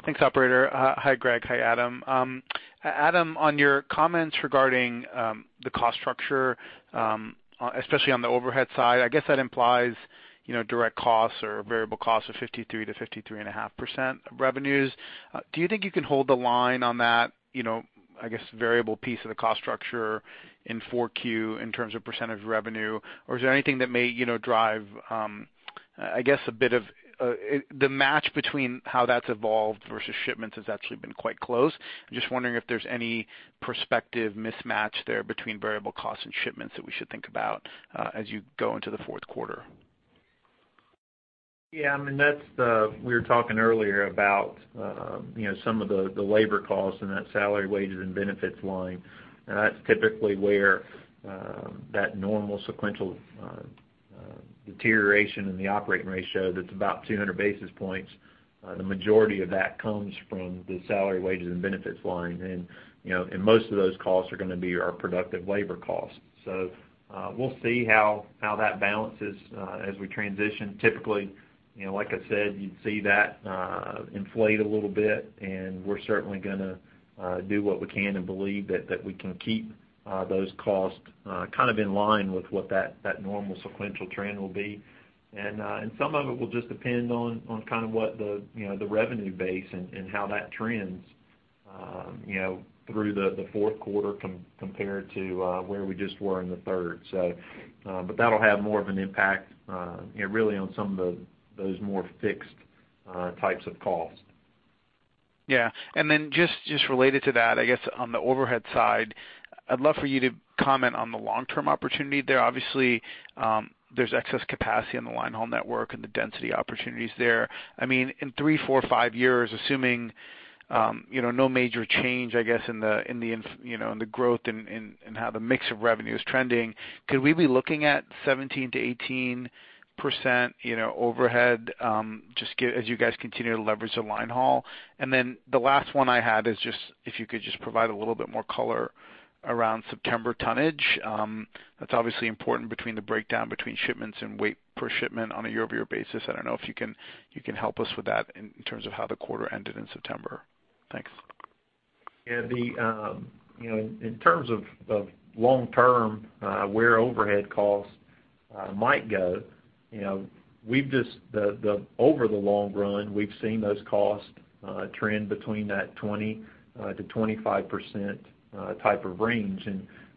Thanks, operator. Hi, Greg. Hi, Adam. Adam, on your comments regarding the cost structure, especially on the overhead side, I guess that implies, you know, direct costs or variable costs of 53% to 53.5% of revenues. Do you think you can hold the line on that, you know, I guess, variable piece of the cost structure in 4Q in terms of percentage of revenue? Is there anything that may, you know, drive, I guess a bit of the match between how that's evolved versus shipments has actually been quite close. I'm just wondering, if there's any prospective mismatch there between variable costs and shipments that we should think about as you go into the fourth quarter? Yeah, I mean, we were talking earlier about, you know, some of the labor costs and that salary, wages, and benefits line, and that's typically where that normal sequential deterioration in the operating ratio that's about 200 basis points. The majority of that comes from the salary, wages, and benefits line. You know, and most of those costs are gonna be our productive labor costs. We'll see how that balances as we transition. Typically, you know, like I said, you'd see that inflate a little bit, and we're certainly gonna do what we can and believe that we can keep those costs kind of in line with what that normal sequential trend will be. Some of it will just depend on kind of what the, you know, the revenue base and how that trends, you know, through the fourth quarter compared to where we just were in the third. That'll have more of an impact, you know, really on some of those more fixed types of costs. Just related to that, I guess on the overhead side, I'd love for you to comment on the long-term opportunity there. Obviously, there's excess capacity in the line haul network and the density opportunities there. I mean, in three, four, five years, assuming, you know, no major change, I guess, in the, in the growth and, and how the mix of revenue is trending, could we be looking at 17%-18%, you know, overhead, as you guys continue to leverage the line haul? The last one I had is just, if you could just provide a little more color around September tonnage. That's obviously important between the breakdown between shipments and weight per shipment on a year-over-year basis. I don't know if you can help us with that in terms of how the quarter ended in September. Thanks. Yeah, you know, in terms of long term, where overhead costs might go, you know, over the long run, we've seen those costs trend between that 20%-25% type of range.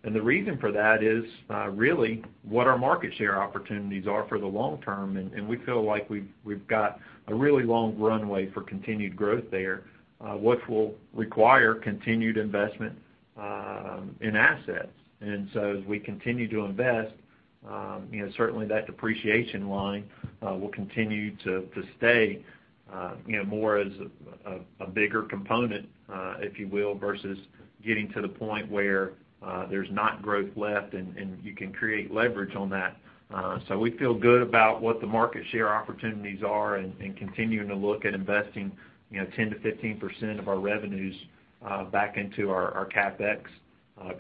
The reason for that is really what our market share opportunities are for the long term, and we feel like we've got a really long runway for continued growth there, which will require continued investment in assets. As we continue to invest, you know, certainly that depreciation line will continue to stay, you know, more as a bigger component, if you will, versus getting to the point where there's not growth left and you can create leverage on that. We feel good about what the market share opportunities are and continuing to look at investing, you know, 10%-15% of our revenues back into our CapEx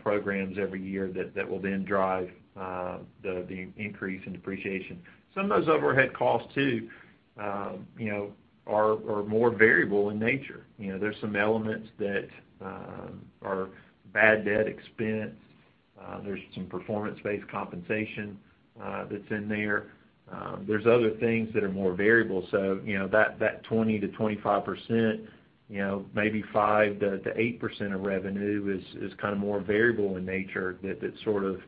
programs every year that will then drive the increase in depreciation. Some of those overhead costs too, you know, are more variable in nature. You know, there's some elements that are bad debt expense. There's some performance-based compensation that's in there. There's other things that are more variable. You know, that 20%-25%, you know, maybe 5%-8% of revenue is kinda more variable in nature that it's sort of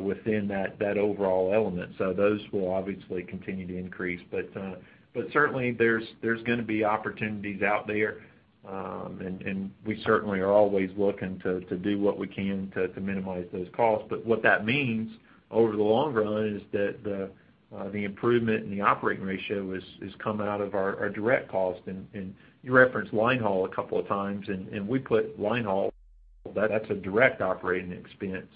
within that overall element. Those will obviously continue to increase. Certainly there's gonna be opportunities out there, and we certainly are always looking to do what we can to minimize those costs. What that means over the long run is that the improvement in the operating ratio is coming out of our direct costs. You referenced line haul a couple of times, and we put line haul, that's a direct operating expense.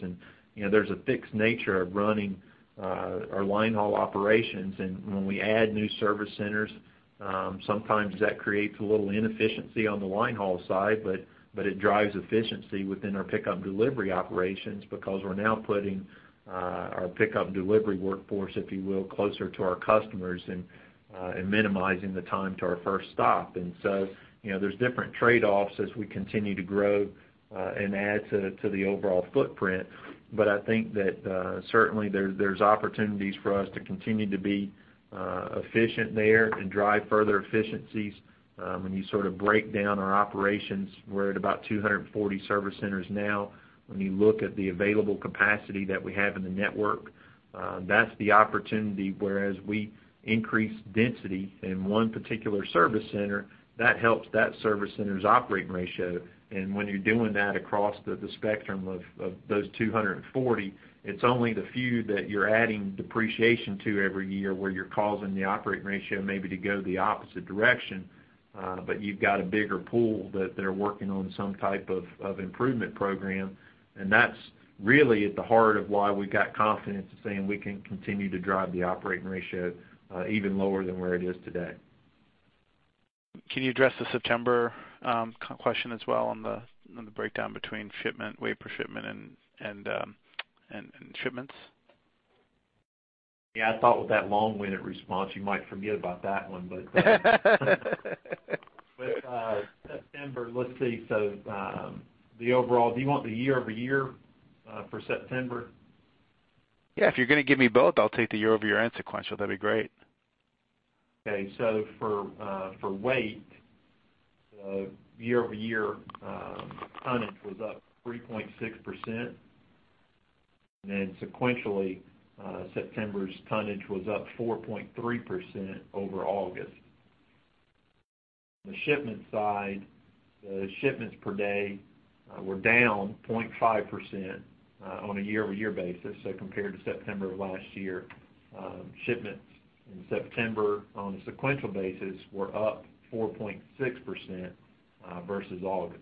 You know, there's a fixed nature of running our line haul operations. When we add new service centers, sometimes that creates a little inefficiency on the line haul side, but it drives efficiency within our pickup delivery operations because we're now putting our pickup delivery workforce, if you will, closer to our customers and minimizing the time to our first stop. You know, there's different trade-offs as we continue to grow and add to the overall footprint. I think that, certainly there's opportunities for us to continue to be efficient there and drive further efficiencies. When you sort of break down our operations, we're at about 240 service centers now. When you look at the available capacity that we have in the network, that's the opportunity. Whereas we increase density in one particular service center, that helps that service center's operating ratio. When you're doing that across the spectrum of those 240, it's only the few that you're adding depreciation to every year, where you're causing the operating ratio maybe to go the opposite direction. You've got a bigger pool that they're working on some type of improvement program. That's really at the heart of why we got confidence in saying we can continue to drive the operating ratio even lower than where it is today. Can you address the September question as well on the breakdown between shipment, weight per shipment and shipments? Yeah. I thought with that long-winded response you might forget about that one. With September, let's see. The overall Do you want the year-over-year for September? Yeah. If you're gonna give me both, I'll take the year-over-year and sequential. That'd be great. For weight, year-over-year, tonnage was up 3.6%. Sequentially, September's tonnage was up 4.3% over August. The shipment side, the shipments per day, were down 0.5% on a year-over-year basis, so compared to September of last year. Shipments in September on a sequential basis were up 4.6% versus August.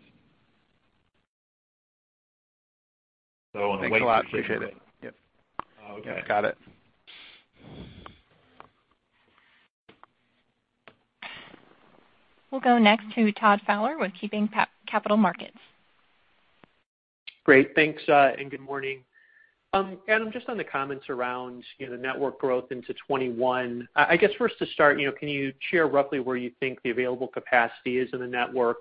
Thanks a lot. Appreciate it. Yep. Okay. Got it. We'll go next to Todd Fowler with KeyBanc Capital Markets. Great. Thanks, and good morning. Adam, just on the comments around, you know, the network growth into 2021, I guess first to start, you know, can you share roughly where you think the available capacity is in the network?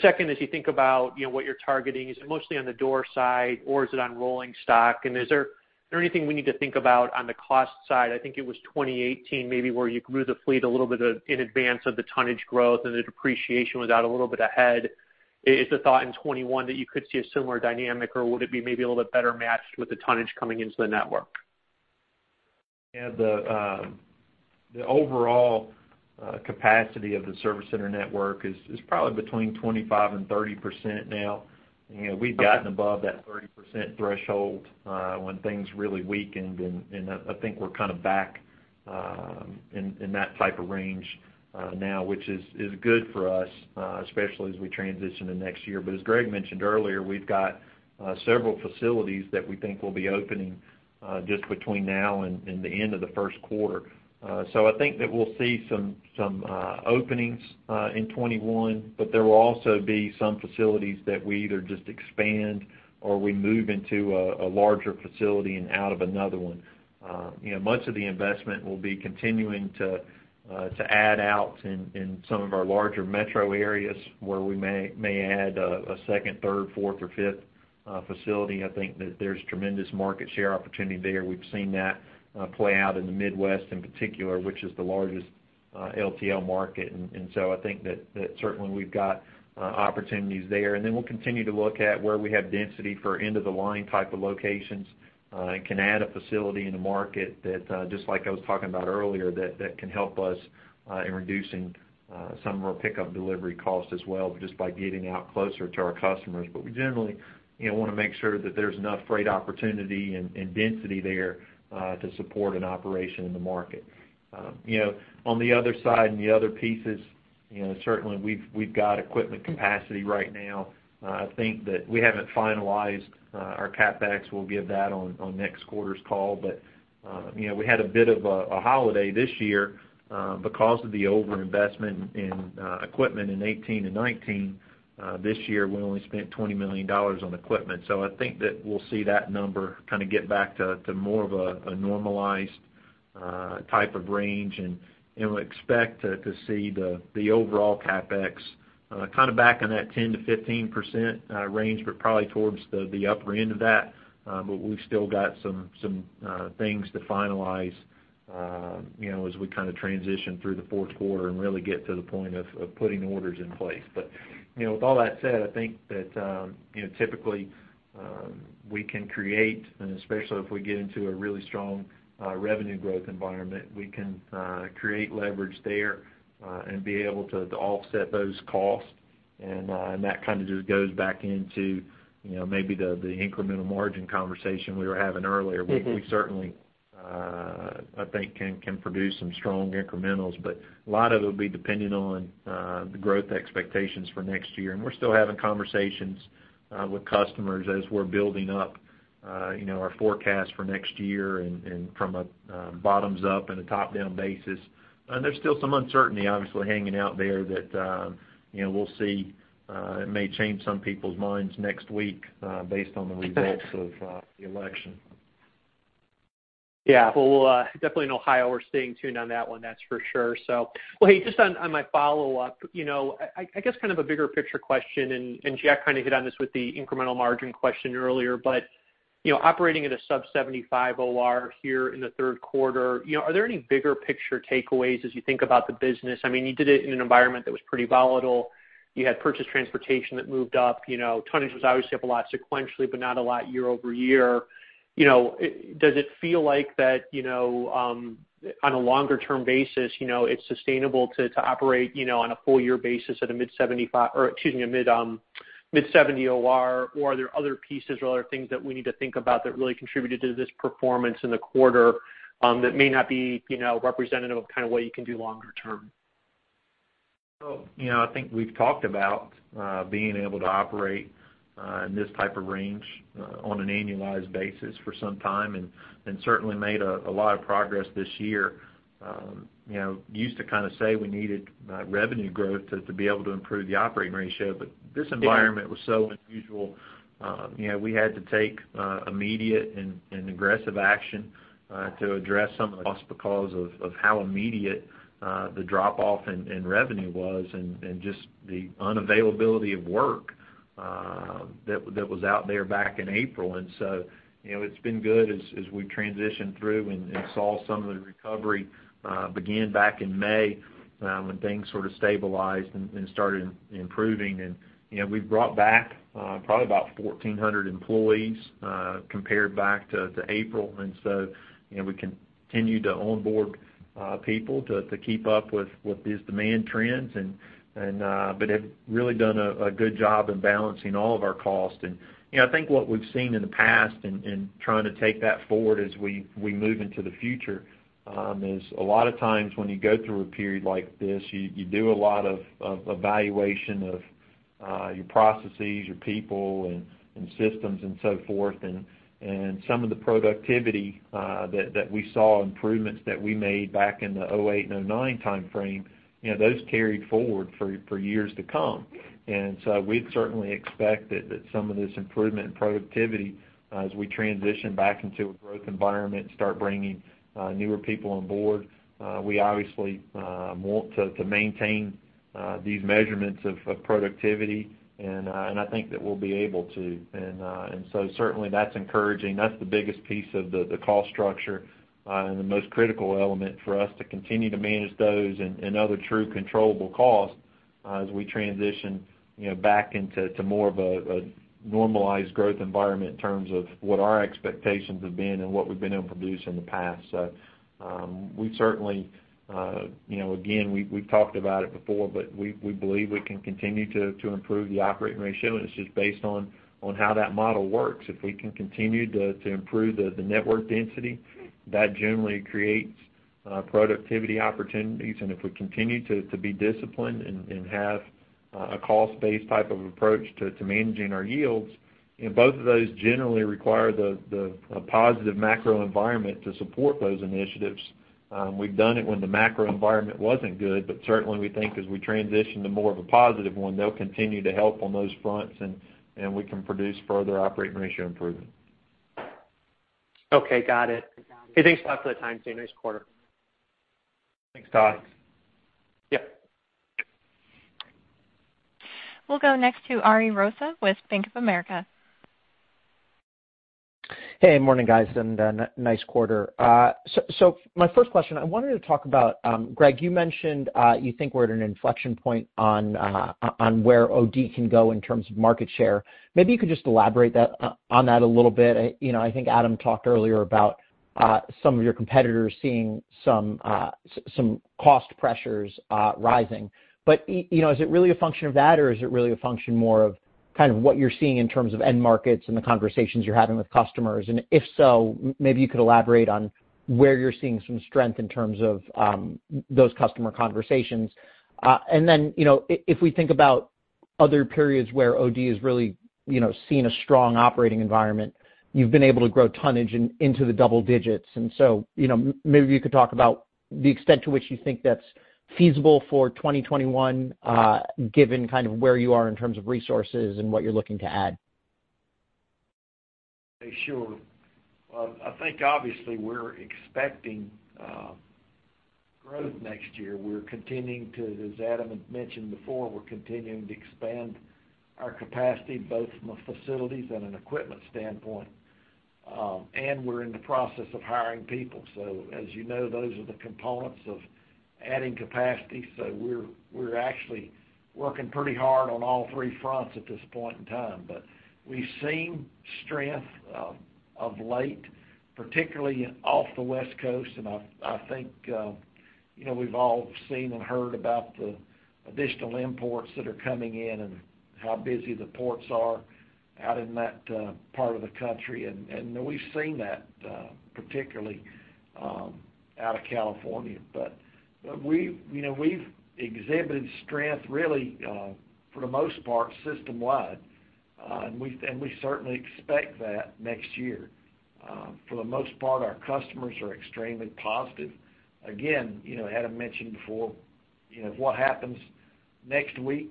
Second, as you think about, you know, what you're targeting, is it mostly on the door side or is it on rolling stock? Is there anything we need to think about on the cost side? I think it was 2018 maybe where you grew the fleet a little bit, in advance of the tonnage growth and the depreciation was out a little bit ahead. Is the thought in 2021 that you could see a similar dynamic or would it be maybe a little bit better matched with the tonnage coming into the network? Yeah. The overall capacity of the service center network is probably between 25% and 30% now. You know, we'd gotten above that 30% threshold when things really weakened and I think we're kind of back in that type of range now, which is good for us, especially as we transition to next year. As Greg mentioned earlier, we've got several facilities that we think will be opening just between now and the end of the first quarter. I think that we'll see some openings in 2021, but there will also be some facilities that we either just expand or we move into a larger facility and out of another one. You know, much of the investment will be continuing to add out in some of our larger metro areas where we may add a second, third, fourth or fifth facility. I think that there's tremendous market share opportunity there. We've seen that play out in the Midwest in particular, which is the largest LTL market. I think that certainly we've got opportunities there. Then we'll continue to look at where we have density for end-of-the-line type of locations. Can add a facility in the market that, just like I was talking about earlier, that can help us in reducing some of our pickup delivery costs as well, but just by getting out closer to our customers. We generally, you know, wanna make sure that there's enough freight opportunity and density there to support an operation in the market. You know, on the other side, and the other pieces, you know, certainly we've got equipment capacity right now. I think that we haven't finalized our CapEx. We'll give that on next quarter's call. You know, we had a bit of a holiday this year. Because of the overinvestment in equipment in 2018 and 2019, this year we only spent $20 million on equipment. I think that we'll see that number kind of get back to more of a normalized type of range. We'll expect to see the overall CapEx back in that 10%-15% range, but probably towards the upper end of that. We've still got some things to finalize, you know, as we transition through the fourth quarter and really get to the point of putting orders in place. You know, with all that said, I think that, you know, typically, we can create And especially if we get into a really strong revenue growth environment, we can create leverage there and be able to offset those costs. That just goes back into, you know, maybe the incremental margin conversation we were having earlier. We certainly, I think can produce some strong incrementals, but a lot of it'll be dependent on the growth expectations for next year. We're still having conversations with customers as we're building up, you know, our forecast for next year and from a bottoms up and a top down basis. There's still some uncertainty, obviously, hanging out there that, you know, we'll see. It may change some people's minds next week, based on the results of the election. Yeah. Well, we'll definitely in Ohio we're staying tuned on that one, that's for sure. Well, hey, just on my follow-up, you know, I guess kind of a bigger picture question, and Jack kind of hit on this with the incremental margin question earlier. You know, operating at a sub-75 OR here in the third quarter, you know, are there any bigger picture takeaways as you think about the business? I mean, you did it in an environment that was pretty volatile. You had purchased transportation that moved up. You know, tonnage was obviously up a lot sequentially, but not a lot year-over-year. You know, does it feel like that, you know, on a longer term basis, you know, it's sustainable to operate, you know, on a full year basis at a mid 75 or excuse me, a mid 70 OR, or are there other pieces or other things that we need to think about that really contributed to this performance in the quarter, that may not be, you know, representative of kinda what you can do longer term? You know, I think we've talked about being able to operate in this type of range on an annualized basis for some time, and certainly made a lot of progress this year. You know, used to kinda say we needed revenue growth to be able to improve the operating ratio. The environment was so unusual, you know, we had to take immediate and aggressive action to address some of the cost because of how immediate the drop-off in revenue was and just the unavailability of work that was out there back in April. You know, it's been good as we transitioned through and saw some of the recovery begin back in May, when things sort of stabilized and started improving. You know, we've brought back probably about 1,400 employees compared back to April. You know, we continued to onboard people to keep up with these demand trends. Have really done a good job in balancing all of our costs. You know, I think what we've seen in the past and trying to take that forward as we move into the future, is a lot of times when you go through a period like this, you do a lot of evaluation of your processes, your people and systems and so forth. Some of the productivity that we saw, improvements that we made back in the 2008 and 2009 timeframe, you know, those carried forward for years to come. We'd certainly expect that some of this improvement in productivity, as we transition back into a growth environment, start bringing newer people on board, we obviously want to maintain these measurements of productivity. I think that we'll be able to. Certainly that's encouraging. That's the biggest piece of the cost structure and the most critical element for us to continue to manage those and other true controllable costs as we transition, you know, back into more of a normalized growth environment in terms of what our expectations have been and what we've been able to produce in the past. We certainly, you know, again, we've talked about it before, but we believe we can continue to improve the operating ratio, and it's just based on how that model works. If we can continue to improve the network density, that generally creates productivity opportunities. If we continue to be disciplined and have a cost-based type of approach to managing our yields, you know, both of those generally require the a positive macro environment to support those initiatives. We've done it when the macro environment wasn't good, but certainly we think as we transition to more of a positive one, they'll continue to help on those fronts and we can produce further operating ratio improvement. Okay. Got it. And thanks for the time too. Nice quarter. Thanks, Todd. Yep. We'll go next to Ari Rosa with Bank of America. Hey, morning, guys. A nice quarter. My first question, I wanted to talk about, Greg, you mentioned you think we're at an inflection point on where OD can go in terms of market share. Maybe you could just elaborate on that a little bit. You know, I think Adam talked earlier about some of your competitors seeing some cost pressures rising. You know, is it really a function of that, or is it really a function more of kind of what you're seeing in terms of end markets and the conversations you're having with customers? If so, maybe you could elaborate on where you're seeing some strength in terms of those customer conversations. You know, if we think about other periods where OD has really, you know, seen a strong operating environment, you've been able to grow tonnage into the double digits. You know, maybe you could talk about the extent to which you think that's feasible for 2021, given kind of where you are in terms of resources and what you're looking to add. Sure. Well, I think obviously we're expecting growth next year. We're continuing to, as Adam had mentioned before, we're continuing to expand our capacity, both from a facilities and an equipment standpoint. We're in the process of hiring people. As you know, those are the components of adding capacity. We're actually working pretty hard on all three fronts at this point in time. We've seen strength of late, particularly off the West Coast. I think, you know, we've all seen and heard about the additional imports that are coming in and how busy the ports are out in that part of the country. We've seen that particularly out of California. You know, we've exhibited strength really for the most part, system-wide. We certainly expect that next year. For the most part, our customers are extremely positive. Again, you know, Adam mentioned before, you know, what happens next week,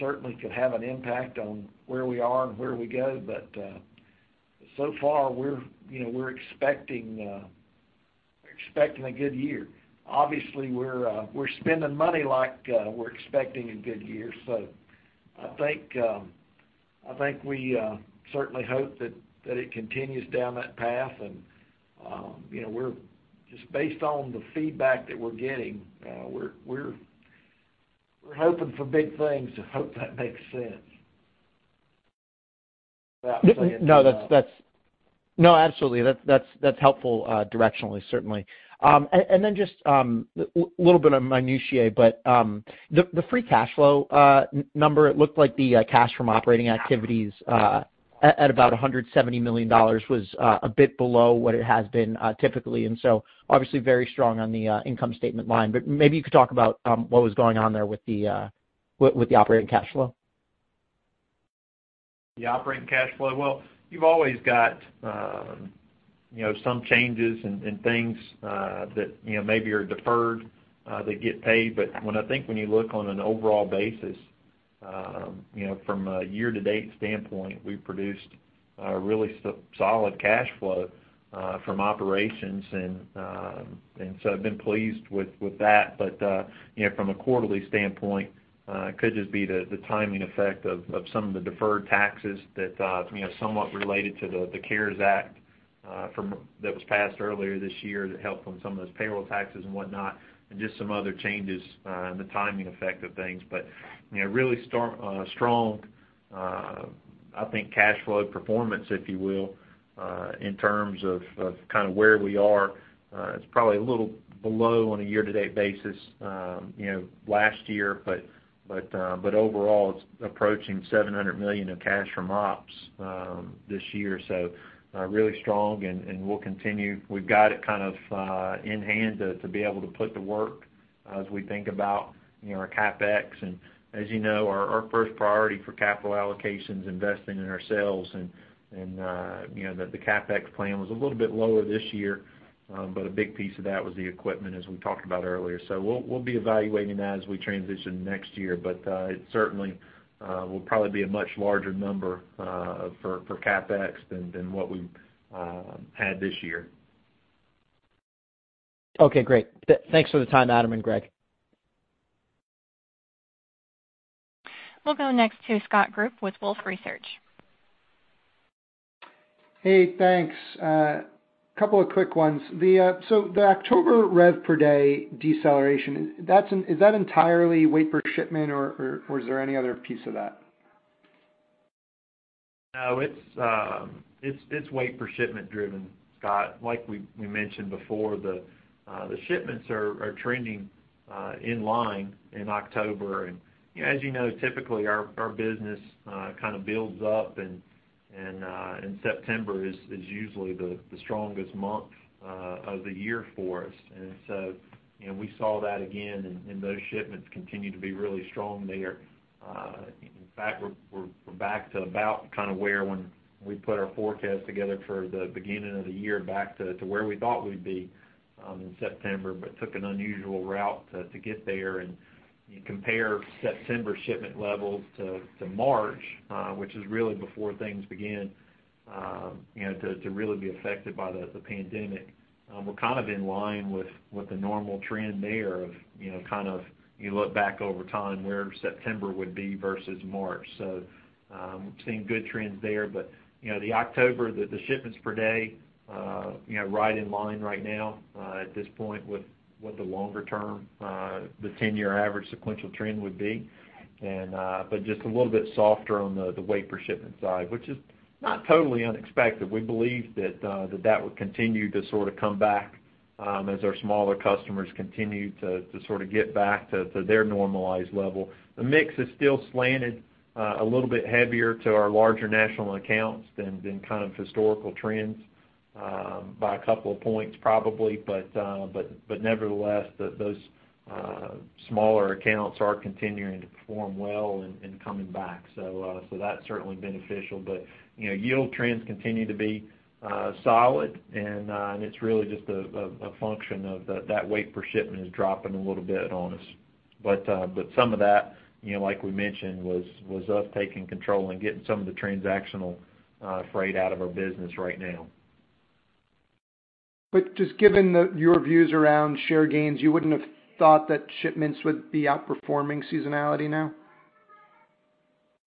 certainly could have an impact on where we are and where we go. So far we're, you know, we're expecting, we're expecting a good year. Obviously, we're spending money like, we're expecting a good year. I think, I think we, certainly hope that it continues down that path. You know, we're just based on the feedback that we're getting, we're hoping for big things. I hope that makes sense. No, that's no, absolutely. That's, that's helpful directionally, certainly. Then just a little bit of minutiae, but the free cash flow number, it looked like the cash from operating activities at about $170 million was a bit below what it has been typically, and so obviously very strong on the income statement line. Maybe you could talk about what was going on there with the operating cash flow. The operating cash flow. Well, you've always got, you know, some changes and things, that, you know, maybe are deferred, that get paid. When I think when you look on an overall basis, you know, from a year-to-date standpoint, we produced a really solid cash flow from operations. So I've been pleased with that. From a quarterly standpoint, it could just be the timing effect of some of the deferred taxes that, you know, somewhat related to the CARES Act that was passed earlier this year that helped on some of those payroll taxes and whatnot, and just some other changes, and the timing effect of things. You know, really strong, I think cash flow performance, if you will, in terms of where we are. It's probably a little below on a year-to-date basis, you know, last year. Overall, it's approaching $700 million of cash from ops this year. Really strong and we'll continue. We've got it kind of in hand to be able to put to work as we think about, you know, our CapEx. As you know, our first priority for capital allocation's investing in ourselves. You know, the CapEx plan was a little bit lower this year. A big piece of that was the equipment as we talked about earlier. We'll be evaluating that as we transition next year. It certainly will probably be a much larger number for CapEx than what we've had this year. Okay, great. Thanks for the time, Adam and Greg. We'll go next to Scott Group with Wolfe Research. Hey, thanks. Couple of quick ones. The October rev per day deceleration, is that entirely weight per shipment or is there any other piece of that? No, it's weight per shipment driven, Scott. Like we mentioned before, the shipments are trending in line in October. You know, as you know, typically our business kind of builds up and September is usually the strongest month of the year for us. You know, we saw that again, and those shipments continue to be really strong there. In fact, we're back to about kind of where when we put our forecast together for the beginning of the year back to where we thought we'd be in September, but took an unusual route to get there. You compare September shipment levels to March, which is really before things began, you know, to really be affected by the pandemic. We're kind of in line with the normal trend there of, you know, kind of you look back over time where September would be versus March. Seeing good trends there. You know, the October, the shipments per day, you know, right in line right now at this point with what the longer term, the 10-year average sequential trend would be. Just a little bit softer on the weight per shipment side, which is not totally unexpected. We believe that that would continue to sort of come back as our smaller customers continue to sort of get back to their normalized level. The mix is still slanted a little bit heavier to our larger national accounts than kind of historical trends by a couple of points probably. Nevertheless, the, those smaller accounts are continuing to perform well and coming back. That's certainly beneficial. You know, yield trends continue to be solid and it's really just a function of that weight per shipment is dropping a little bit on us. Some of that, you know, like we mentioned, was us taking control and getting some of the transactional freight out of our business right now. Just given your views around share gains, you wouldn't have thought that shipments would be outperforming seasonality now?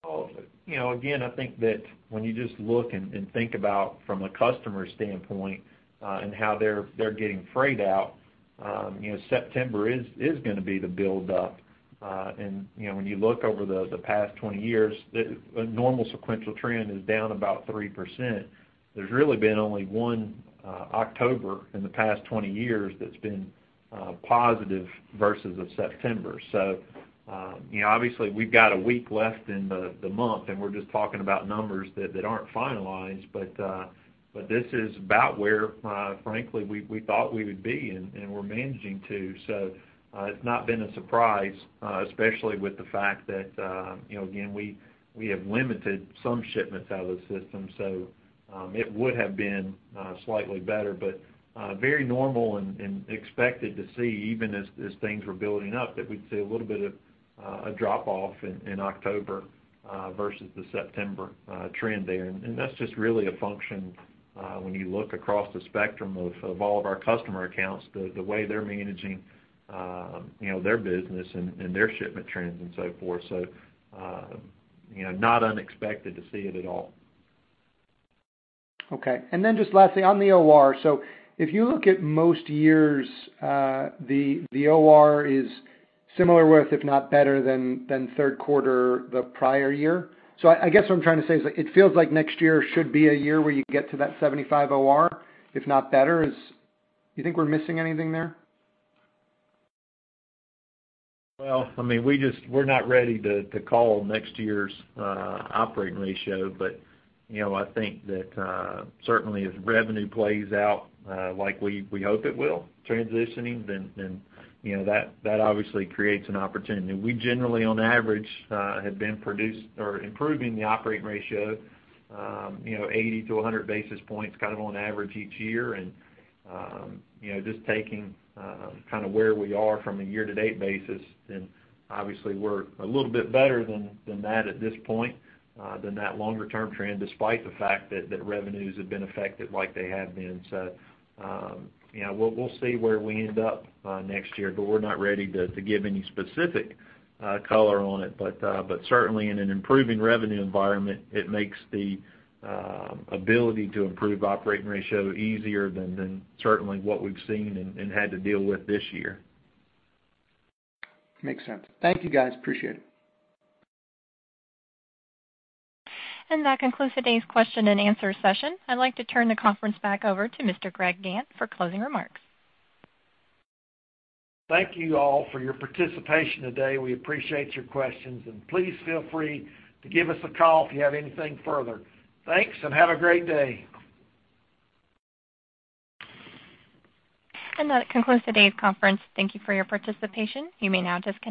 Well, you know, again, I think that when you just look and think about from a customer standpoint, and how they're getting freight out, you know, September is gonna be the build up. You know, when you look over the past 20 years, a normal sequential trend is down about 3%. There's really been only 1 October in the past 20 years that's been positive versus a September. You know, obviously, we've got a week left in the month, and we're just talking about numbers that aren't finalized. This is about where, frankly, we thought we would be, and we're managing to. It's not been a surprise, especially with the fact that, you know, again, we have limited some shipments out of the system. It would have been slightly better, but very normal and expected to see even as things were building up, that we'd see a little bit of a drop-off in October versus the September trend there. That's just really a function, when you look across the spectrum of all of our customer accounts, the way they're managing, you know, their business and their shipment trends and so forth. You know, not unexpected to see it at all. Just lastly, on the OR. If you look at most years, the OR is similar with, if not better than third quarter the prior year. I guess what I'm trying to say is like, it feels like next year should be a year where you get to that 75 OR, if not better. Do you think we're missing anything there? Well, I mean, We're not ready to call next year's operating ratio. You know, I think that certainly as revenue plays out, like we hope it will transitioning then, you know, that obviously creates an opportunity. We generally on average have been produced or improving the operating ratio, you know, 80-100 basis points kind of on average each year. You know, just taking kind of where we are from a year to date basis, then obviously we're a little bit better than that at this point than that longer term trend, despite the fact that revenues have been affected like they have been. You know, we'll see where we end up next year, but we're not ready to give any specific color on it. But certainly in an improving revenue environment, it makes the ability to improve operating ratio easier than certainly what we've seen and had to deal with this year. Makes sense. Thank you, guys. Appreciate it. That concludes today's question and answer session. I'd like to turn the conference back over to Mr. Greg Gantt for closing remarks. Thank you all for your participation today. We appreciate your questions, and please feel free to give us a call if you have anything further. Thanks. Have a great day. And that concludes today's conference. Thank you for your participation. You may now disconnect.